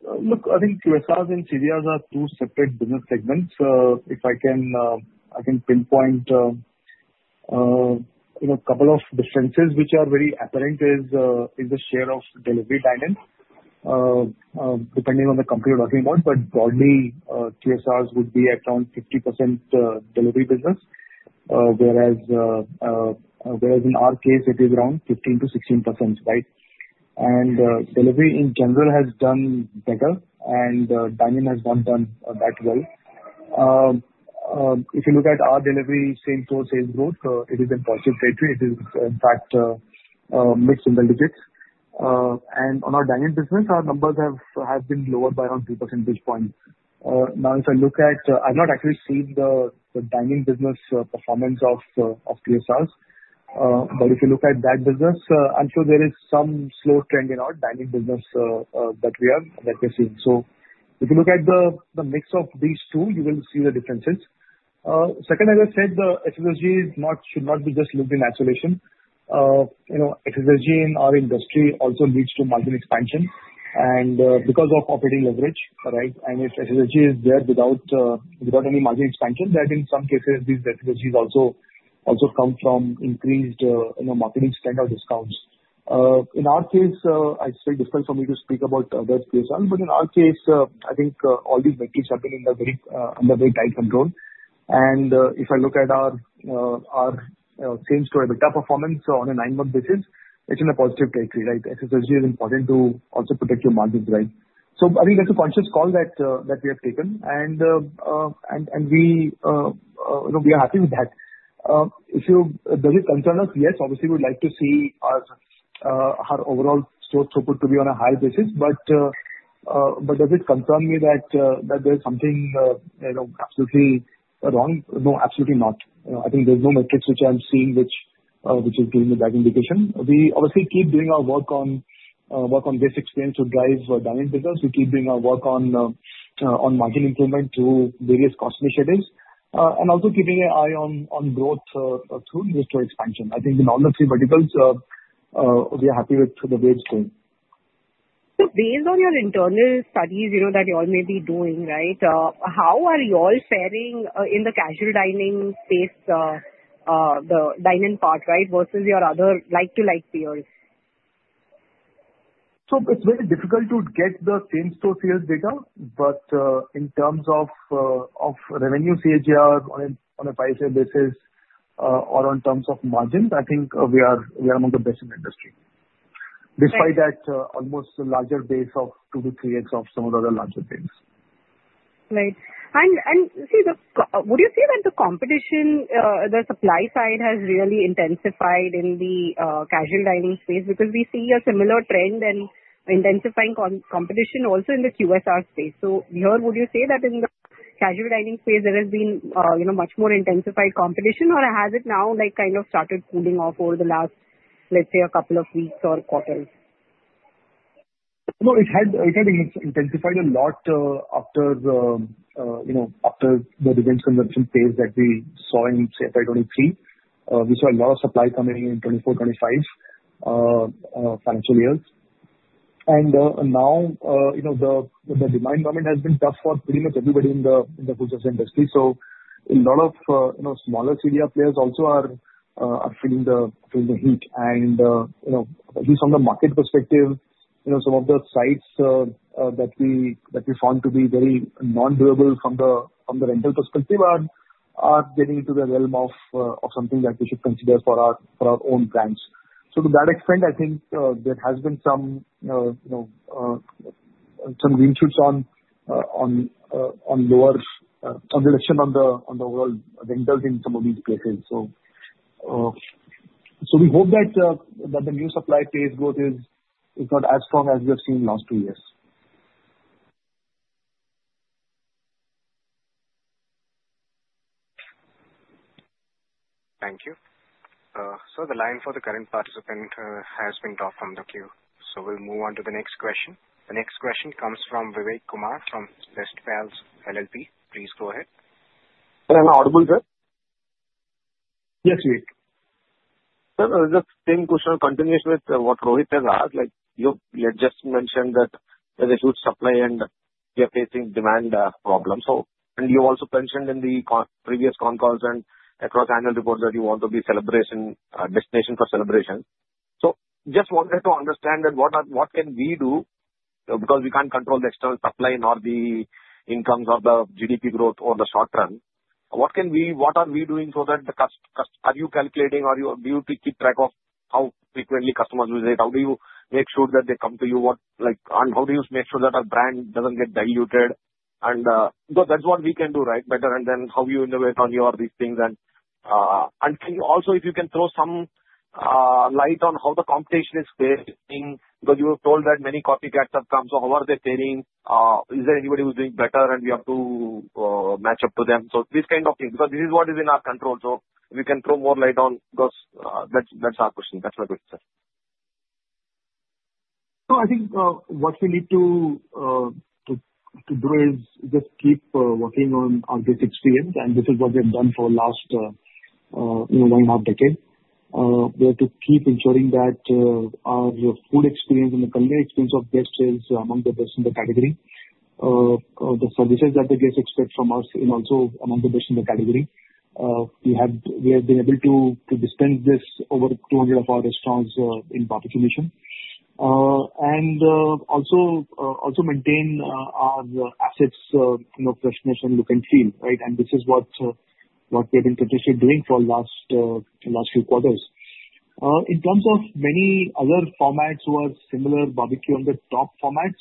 I think QSR and CDRs are two separate business segments. If I can pinpoint a couple of differences which are very apparent is the share of delivery dining, depending on the company you're talking about, but broadly, QSRs would be at around 50% delivery business, whereas in our case, it is around 15%-16%, right? And delivery in general has done better, and dining has not done that well. If you look at our delivery same store sales growth, it is in positive territory. It is, in fact, mid-single digits. And on our dining business, our numbers have been lower by around 2 percentage points. Now, if I look at, I've not actually seen the dining business performance of QSRs, but if you look at that business, I'm sure there is some slow trend in our dining business that we have seen. So if you look at the mix of these two, you will see the differences. Second, as I said, the SSSG should not be just looked in isolation. SSSG in our industry also leads to margin expansion because of operating leverage, right? And if SSSG is there without any margin expansion, then in some cases, these SSSGs also come from increased marketing spend or discounts. In our case, it's very difficult for me to speak about QSR, but in our case, I think all these metrics have been under very tight control. And if I look at our same store Meta performance on a nine-month basis, it's in a positive territory, right? SSSG is important to also protect your margins, right? So I think that's a conscious call that we have taken, and we are happy with that. If it does concern us, yes, obviously, we would like to see our overall store throughput to be on a high basis, but does it concern me that there's something absolutely wrong? No, absolutely not. I think there's no metrics which I'm seeing which is giving me that indication. We obviously keep doing our work on this experience to drive dining business. We keep doing our work on margin improvement through various cost initiatives and also keeping an eye on growth through this store expansion. I think in all the three verticals, we are happy with the way it's going. So based on your internal studies that you all may be doing, right, how are you all faring in the casual dining space, the dining part, right, versus your other like-for-like peers? So it's very difficult to get the same store sales data, but in terms of revenue CAGR on a five-year basis or on terms of margins, I think we are among the best in the industry, despite that almost larger base of 2x to 3x of some of the other larger names. Right. And see, would you say that the competition, the supply side, has really intensified in the casual dining space? Because we see a similar trend and intensifying competition also in the QSR space. So here, would you say that in the casual dining space, there has been much more intensified competition, or has it now kind of started cooling off over the last, let's say, a couple of weeks or quarters? No, it had intensified a lot after the demand contraction phase that we saw in 2023. We saw a lot of supply coming in 2024, 2025 financial years. And now the demand environment has been tough for pretty much everybody in the food service industry. So a lot of smaller CDR players also are feeling the heat. And at least from the market perspective, some of the sites that we found to be very non-doable from the rental perspective are getting into the realm of something that we should consider for our own brands. So to that extent, I think there has been some green shoots on the easing of the overall rentals in some of these places. So we hope that the new supply phase growth is not as strong as we have seen in the last two years. Thank you. So the line for the current participant has been dropped from the queue. So we'll move on to the next question. The next question comes from Vivek Kumar from Bestpals LLP. Please go ahead. Can I have an audible there? Yes, Vivek. Sir, just same question continues with what Rohit has asked. You had just mentioned that there's a huge supply and we are facing demand problems. And you also mentioned in the previous con calls and across annual reports that you want to be celebration destination for celebration. So just wanted to understand that what can we do because we can't control the external supply nor the incomes or the GDP growth or the short run. What are we doing so that the customers are you calculating or do you keep track of how frequently customers visit? How do you make sure that they come to you? And how do you make sure that our brand doesn't get diluted? And that's what we can do, right? Better. And then how do you innovate on these things? Also, if you can throw some light on how the competition is faring because you were told that many copycats have come. How are they faring? Is there anybody who's doing better, and we have to match up to them? These kind of things because this is what is in our control. We can throw more light on because that's our question. That's my question, sir. So I think what we need to do is just keep working on our best experience. And this is what we have done for the last one and a half decade. We have to keep ensuring that our food experience and the culinary experience of guests is among the best in the category. The services that the guests expect from us are also among the best in the category. We have been able to dispense this over 200 of our restaurants in Barbeque Nation. And also maintain our assets freshness and look and feel, right? And this is what we have been consistently doing for the last few quarters. In terms of many other formats who are similar Barbeque on-the-top formats,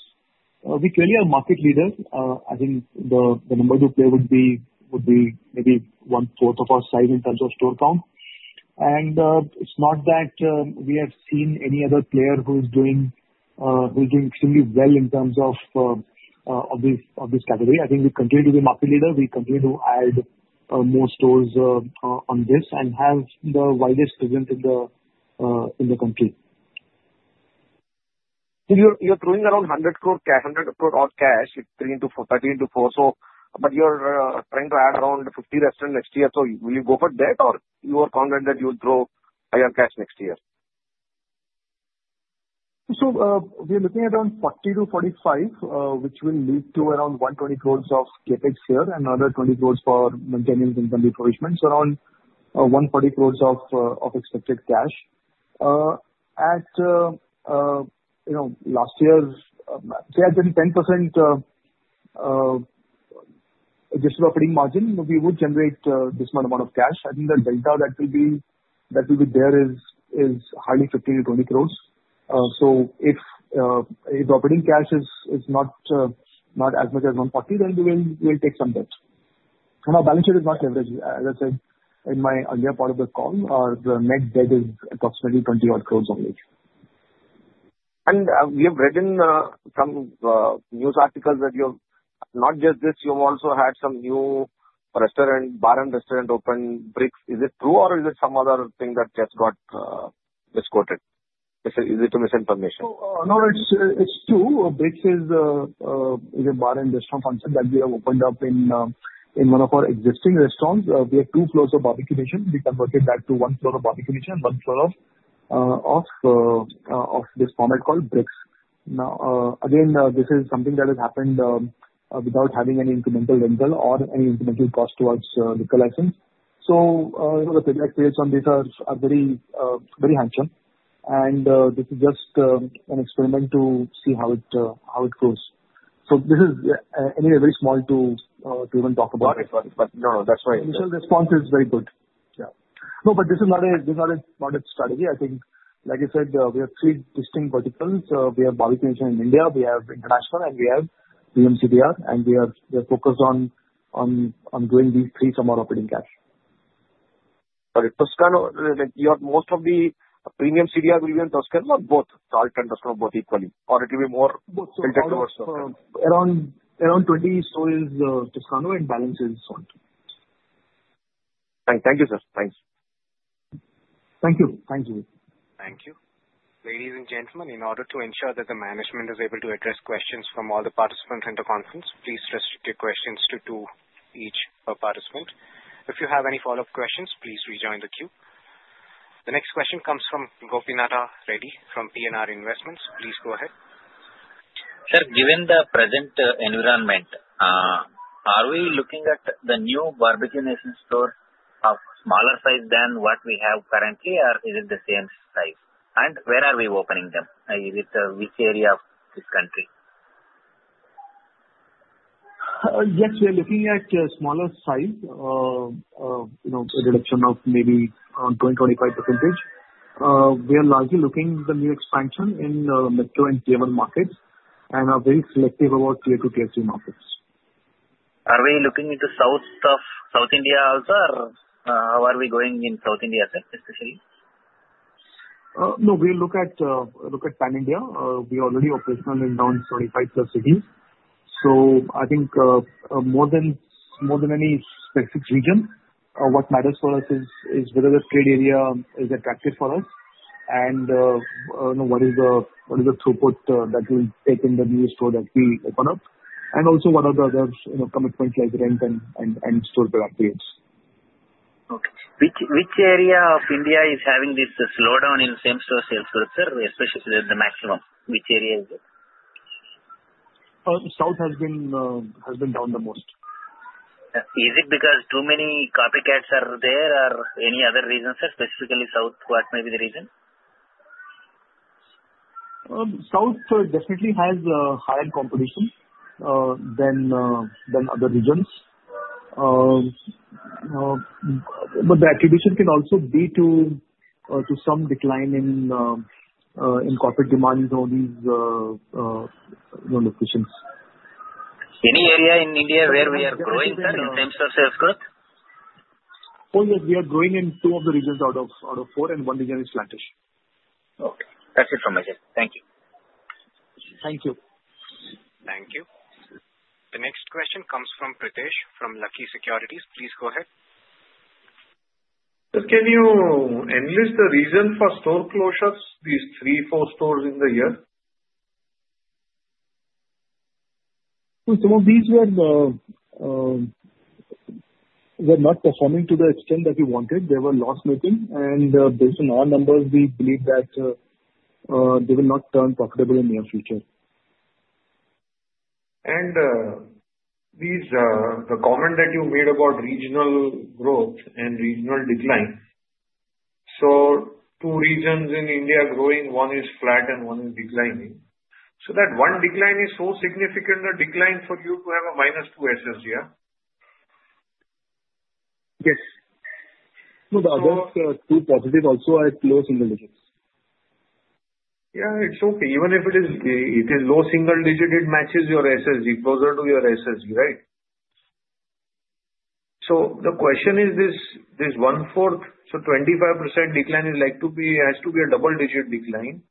we clearly are market leaders. I think the number two player would be maybe one-fourth of our size in terms of store count. It's not that we have seen any other player who is doing extremely well in terms of this category. I think we continue to be market leaders. We continue to add more stores on this and have the widest presence in the country. So you're throwing around 100 crore cash, 30 to 40. But you're trying to add around 50 restaurants next year. So will you go for that, or are you confident that you'll throw higher cash next year? So we are looking at around 40 to 45, which will lead to around 120 crores of Capex here and another 20 crores for maintenance and company furnishings, around 140 crores of expected cash. At last year, say at 10% just of operating margin, we would generate this amount of cash. I think the delta that will be there is highly 15-20 crores. So if the operating cash is not as much as 140, then we will take some debt. And our balance sheet is not leveraged. As I said in my earlier part of the call, the net debt is approximately 20-odd crores only. We have read in some news articles that you've not just this, you've also had some new restaurant, bar and restaurant open Bricks. Is it true, or is it some other thing that just got misquoted? Is it a misinformation? No, it's true. Bricks is a bar and restaurant concept that we have opened up in one of our existing restaurants. We have two floors of Barbeque Nation. We converted that to one floor of Barbeque Nation and one floor of this format called Bricks. Now, again, this is something that has happened without having any incremental rental or any incremental cost towards local license. So the previous experience on these are very handsome. And this is just an experiment to see how it goes. So this is, anyway, very small to even talk about. Sorry, sorry. But no, no, that's right. The initial response is very good. Yeah. No, but this is not a strategy. I think, like I said, we have three distinct verticals. We have Barbeque Nation in India, we have international, and we have premium CDR, and we are focused on doing these three from our operating cash. Sorry, Toscano? Most of the premium CDR will be in Toscano, or both Salt and Toscano both equally? Or it will be more tilted towards Toscano? Around 20 stores in Toscano and balance is Salt. Thank you, sir. Thanks. Thank you. Thank you. Thank you. Ladies and gentlemen, in order to ensure that the management is able to address questions from all the participants in the conference, please restrict your questions to each participant. If you have any follow-up questions, please rejoin the queue. The next question comes from Gopinath Reddy from PNR Investments. Please go ahead. Sir, given the present environment, are we looking at the new Barbeque Nation stores of smaller size than what we have currently, or is it the same size? And where are we opening them? Is it which area of this country? Yes, we are looking at smaller size, a reduction of maybe 20%-25%. We are largely looking at the new expansion in the metro and tier one markets and are very selective about tier two, tier three markets. Are we looking into South India also, or how are we going in South India specifically? No, we look at Pan-India. We are already operational in around 25+ cities. So I think more than any specific region, what matters for us is whether the trade area is attractive for us and what is the throughput that we will take in the new store that we open up, and also what are the other commitments like rent and store upgrades. Okay. Which area of India is having this slowdown in same-store sales growth, sir? Especially the maximum. Which area is it? South has been down the most. Is it because too many copycats are there, or any other reason, sir? Specifically South, what may be the reason? South definitely has higher competition than other regions, but the attribution can also be to some decline in corporate demand in all these locations. Any area in India where we are growing, sir, in same-store sales growth? Oh, yes. We are growing in two of the regions out of four, and one region is slanted. Okay. That's it from my side. Thank you. Thank you. Thank you. The next question comes from Pritesh from Lucky Securities. Please go ahead. Can you list the reason for store closures, these three, four stores in the year? Some of these were not performing to the extent that we wanted. They were loss-making, and based on our numbers, we believe that they will not turn profitable in the near future. And the comment that you made about regional growth and regional decline, so two regions in India growing, one is flat and one is declining. So that one decline is so significant a decline for you to have a -2 SSG, yeah? Yes. The other two positive also are close in the regions. Yeah, it's okay. Even if it is low single-digit, it matches your SSG, closer to your SSG, right? So the question is this one-fourth, so 25% decline is likely to be has to be a double-digit decline.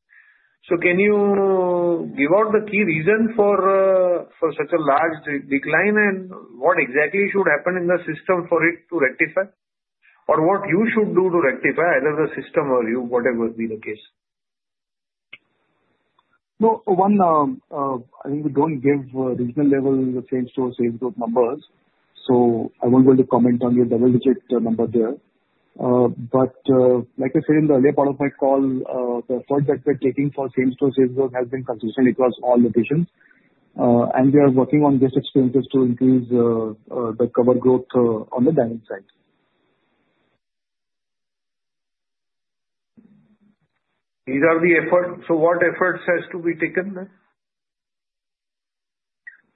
So can you give out the key reason for such a large decline and what exactly should happen in the system for it to rectify? Or what you should do to rectify, either the system or you, whatever be the case? One, I think we don't give regional level same-store sales growth numbers. So I won't be able to comment on your double-digit number there. But like I said in the earlier part of my call, the effort that we are taking for same-store sales growth has been consistent across all locations. And we are working on these experiences to increase the cover growth on the downside. These are the efforts. So what efforts have to be taken then?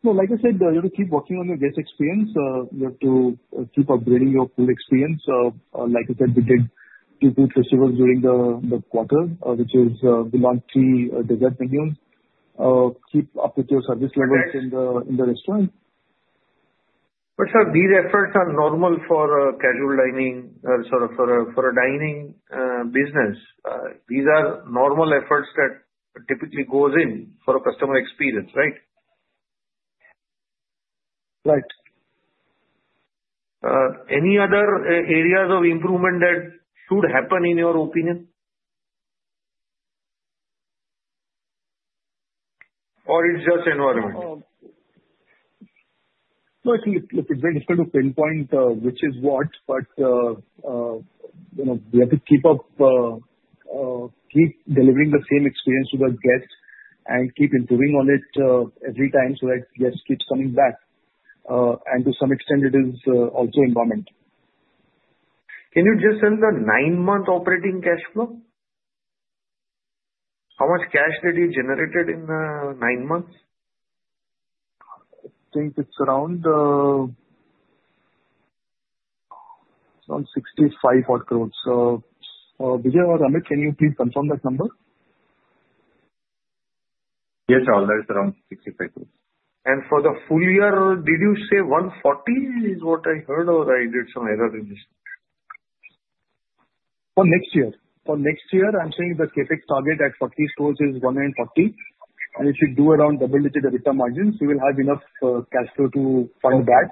Like I said, you have to keep working on your guest experience. You have to keep upgrading your food experience. Like I said, we did two food festivals during the quarter, which is, we launched three dessert menus. Keep up with your service levels in the restaurant. But sir, these efforts are normal for a casual dining sort of for a dining business. These are normal efforts that typically go in for a customer experience, right? Right. Any other areas of improvement that should happen, in your opinion? Or it's just environment? No, I think it's very difficult to pinpoint which is what, but we have to keep up, keep delivering the same experience to the guests and keep improving on it every time so that guests keep coming back, and to some extent, it is also environment. Can you just tell the nine-month operating cash flow? How much cash did you generate in nine months? I think it's around 65-odd crores. Bijay or Amit, can you please confirm that number? Yes, sir. That is around 65 crores. And for the full year, did you say 140 crores is what I heard, or I did some error in this? For next year. For next year, I'm saying the Capex target at 40 stores is 140 crores. And if we do around double-digit return margins, we will have enough cash flow to fund that.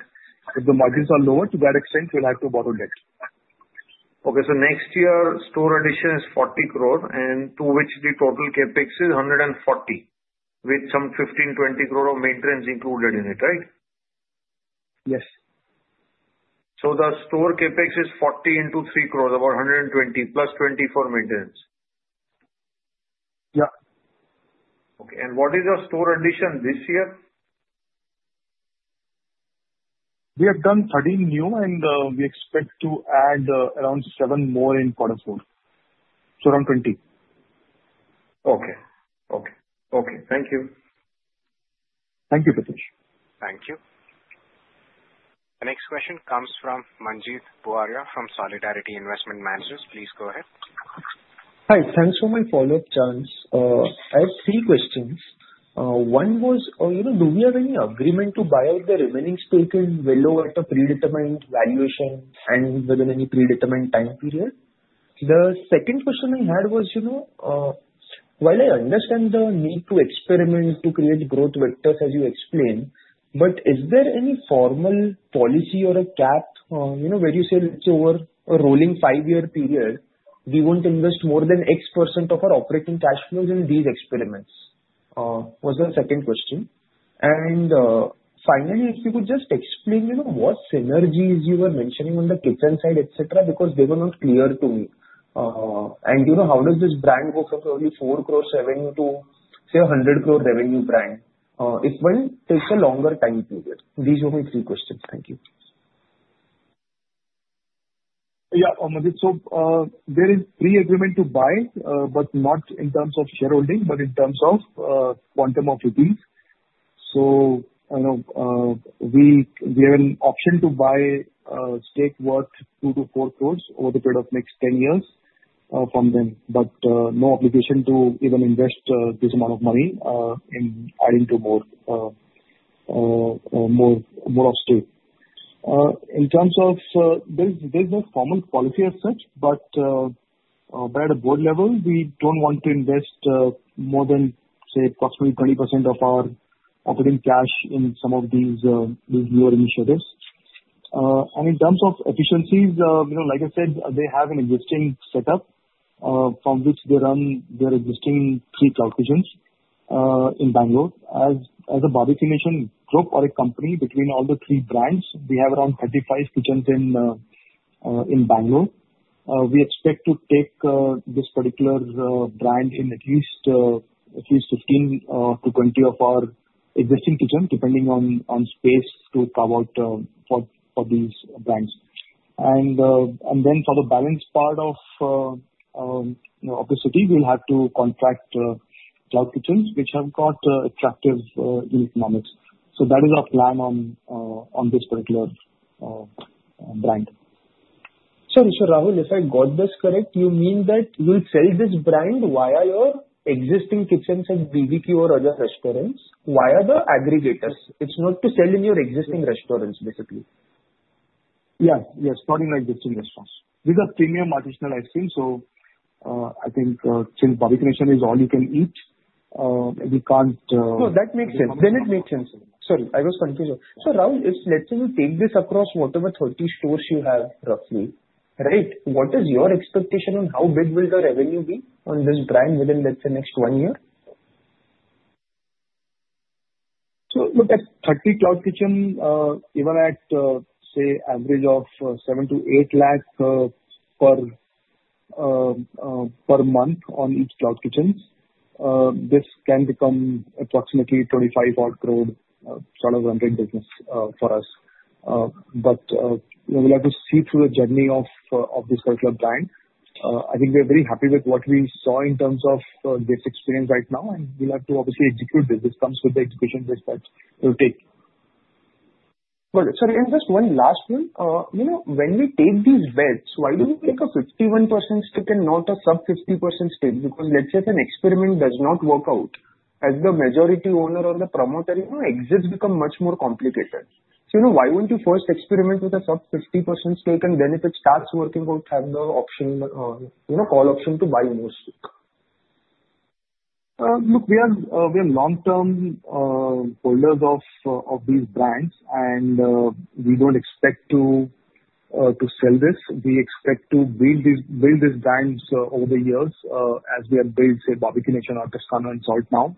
If the margins are lower, to that extent, we'll have to borrow debt. Okay. So next year, store addition is 40 crores, and to which the total CapEx is 140, with some 15-20 crores of maintenance included in it, right? Yes. So the store Capex is 40 into 3 crore, about 120 crores +20 crores for maintenance. Yeah. Okay. And what is your store addition this year? We have done 13 new, and we expect to add around 7 more in quarter four. So around 20. Okay. Okay. Okay. Thank you. Thank you, Pritesh. Thank you. The next question comes from Manjeet Buaria from Solidarity Investment Managers. Please go ahead. Hi. Thanks for my follow-up, Chance. I have three questions. One was, do we have any agreement to buy out the remaining stake in Willow at a predetermined valuation and within any predetermined time period? The second question I had was, while I understand the need to experiment to create growth vectors as you explain, but is there any formal policy or a cap where you say it's over a rolling five-year period, we won't invest more than X% of our operating cash flows in these experiments? Was the second question. And finally, if you could just explain what synergies you were mentioning on the kitchen side, etc., because they were not clear to me. And how does this brand go from only 4 crore revenue to, say, a 100 crore revenue brand if one takes a longer time period? These were my three questions. Thank you. Yeah. So there is pre-agreement to buy, but not in terms of shareholding, but in terms of quantum of retails. So we have an option to buy a stake worth 2-4 crores over the period of next 10 years from them, but no obligation to even invest this amount of money in adding to more of stake. In terms of there is no formal policy as such, but at a board level, we don't want to invest more than, say, approximately 20% of our operating cash in some of these newer initiatives. And in terms of efficiencies, like I said, they have an existing setup from which they run their existing three cloud kitchens in Bangalore. As a Barbeque Nation group or a company between all the three brands, we have around 35 kitchens in Bangalore. We expect to take this particular brand in at least 15-20 of our existing kitchens, depending on space to carve out for these brands. And then for the balance part of the city, we'll have to contract cloud kitchens, which have got attractive economics. So that is our plan on this particular brand. Sorry, sir, Rahul, if I got this correct, you mean that you'll sell this brand via your existing kitchens at Barbeque or other restaurants via the aggregators. It's not to sell in your existing restaurants, basically. Yeah. Yes. Not in my existing restaurants. These are premium artisanal ice cream, so I think since Barbeque Nation is all you can eat, we can't. No, that makes sense. Then it makes sense. Sorry, I was confused. So Rahul, let's say you take this across whatever 30 stores you have, roughly, right? What is your expectation on how big will the revenue be on this brand within, let's say, next one year? Look at 30 cloud kitchens, even at, say, average of 7-8 lakh per month on each cloud kitchen. This can become approximately 25-odd crore sort of revenue business for us. But we'll have to see through the journey of this particular brand. I think we are very happy with what we saw in terms of this experience right now, and we'll have to obviously execute this. This comes with the execution risk that it will take. Sorry, and just one last one. When we take these bets, why do we take a 51% stake and not a sub-50% stake? Because let's say if an experiment does not work out, as the majority owner or the promoter, exits become much more complicated. So why won't you first experiment with a sub-50% stake, and then if it starts working out, have the call option to buy more stake? Look, we are long-term holders of these brands, and we don't expect to sell this. We expect to build these brands over the years as we have built, say, Barbeque Nation out of nothing and Salt now.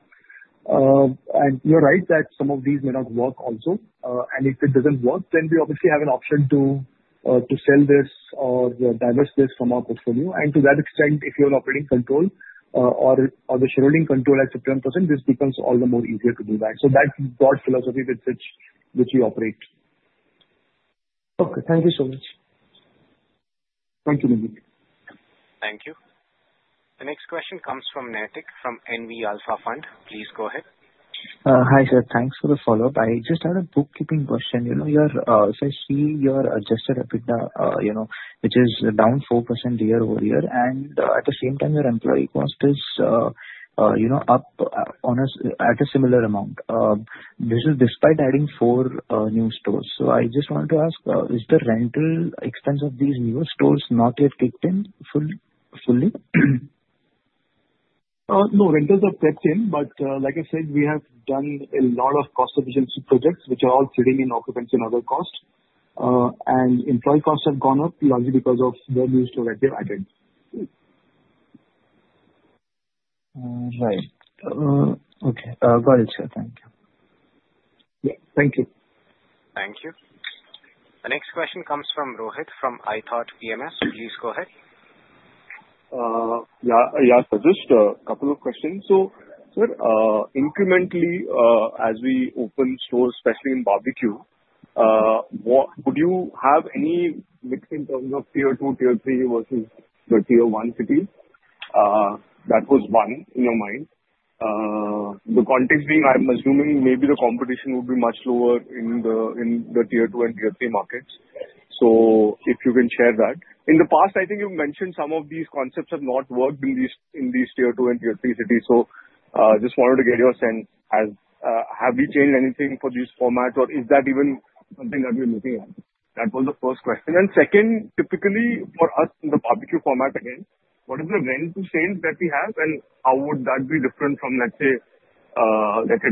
And you're right that some of these may not work also. And if it doesn't work, then we obviously have an option to sell this or divest this from our portfolio. And to that extent, if you're operating control or the shareholding control at 51%, this becomes all the more easier to do that. So that's the broad philosophy with which we operate. Okay. Thank you so much. Thank you, Manjeet. Thank you. The next question comes from Naitik from NV Alpha Fund. Please go ahead. Hi, sir. Thanks for the follow-up. I just had a bookkeeping question. So I see your adjusted EBITDA, which is down 4% year over year, and at the same time, your employee cost is up at a similar amount. This is despite adding four new stores. So I just wanted to ask, is the rental expense of these new stores not yet kicked in fully? No, rentals have kept in, but like I said, we have done a lot of cost-efficient projects, which are all sitting in occupancy and other costs. And employee costs have gone up largely because of the new stores that we've added. Right. Okay. Got it, sir. Thank you. Yeah. Thank you. Thank you. The next question comes from Rohit from iThought PMS. Please go ahead. Yeah. Yeah, sir. Just a couple of questions. So incrementally, as we open stores, especially in Barbeque, would you have any mix in terms of tier two, tier three versus the tier one cities? That was one in your mind. The context being, I'm assuming maybe the competition would be much lower in the tier two and tier three markets. So if you can share that. In the past, I think you mentioned some of these concepts have not worked in these tier two and tier three cities. So I just wanted to get your sense. Have we changed anything for these formats, or is that even something that we're looking at? That was the first question. Second, typically for us in the barbecue format again, what is the rent to sales that we have, and how would that be different from, let's say,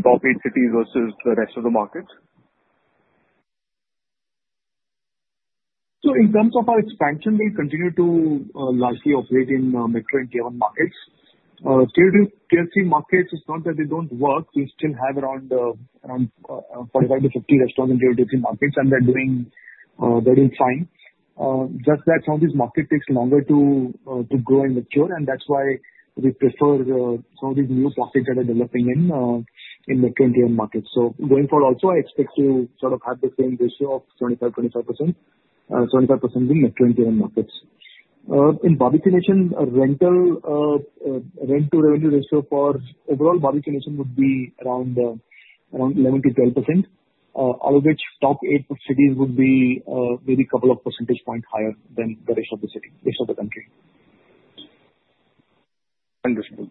top eight cities versus the rest of the markets? So in terms of our expansion, we'll continue to largely operate in metro and tier one markets. Tier three markets, it's not that they don't work. We still have around 45-50 restaurants in tier two and tier three markets, and they're doing fine. Just that some of these markets take longer to grow and mature, and that's why we prefer some of these new markets that are developing in metro and tier one markets. So going forward also, I expect to sort of have the same ratio of 25%-25% in metro and tier one markets. In Barbeque Nation, rental to revenue ratio for overall Barbeque Nation would be around 11%-12%, out of which top eight cities would be maybe a couple of percentage points higher than the rest of the country. Understood.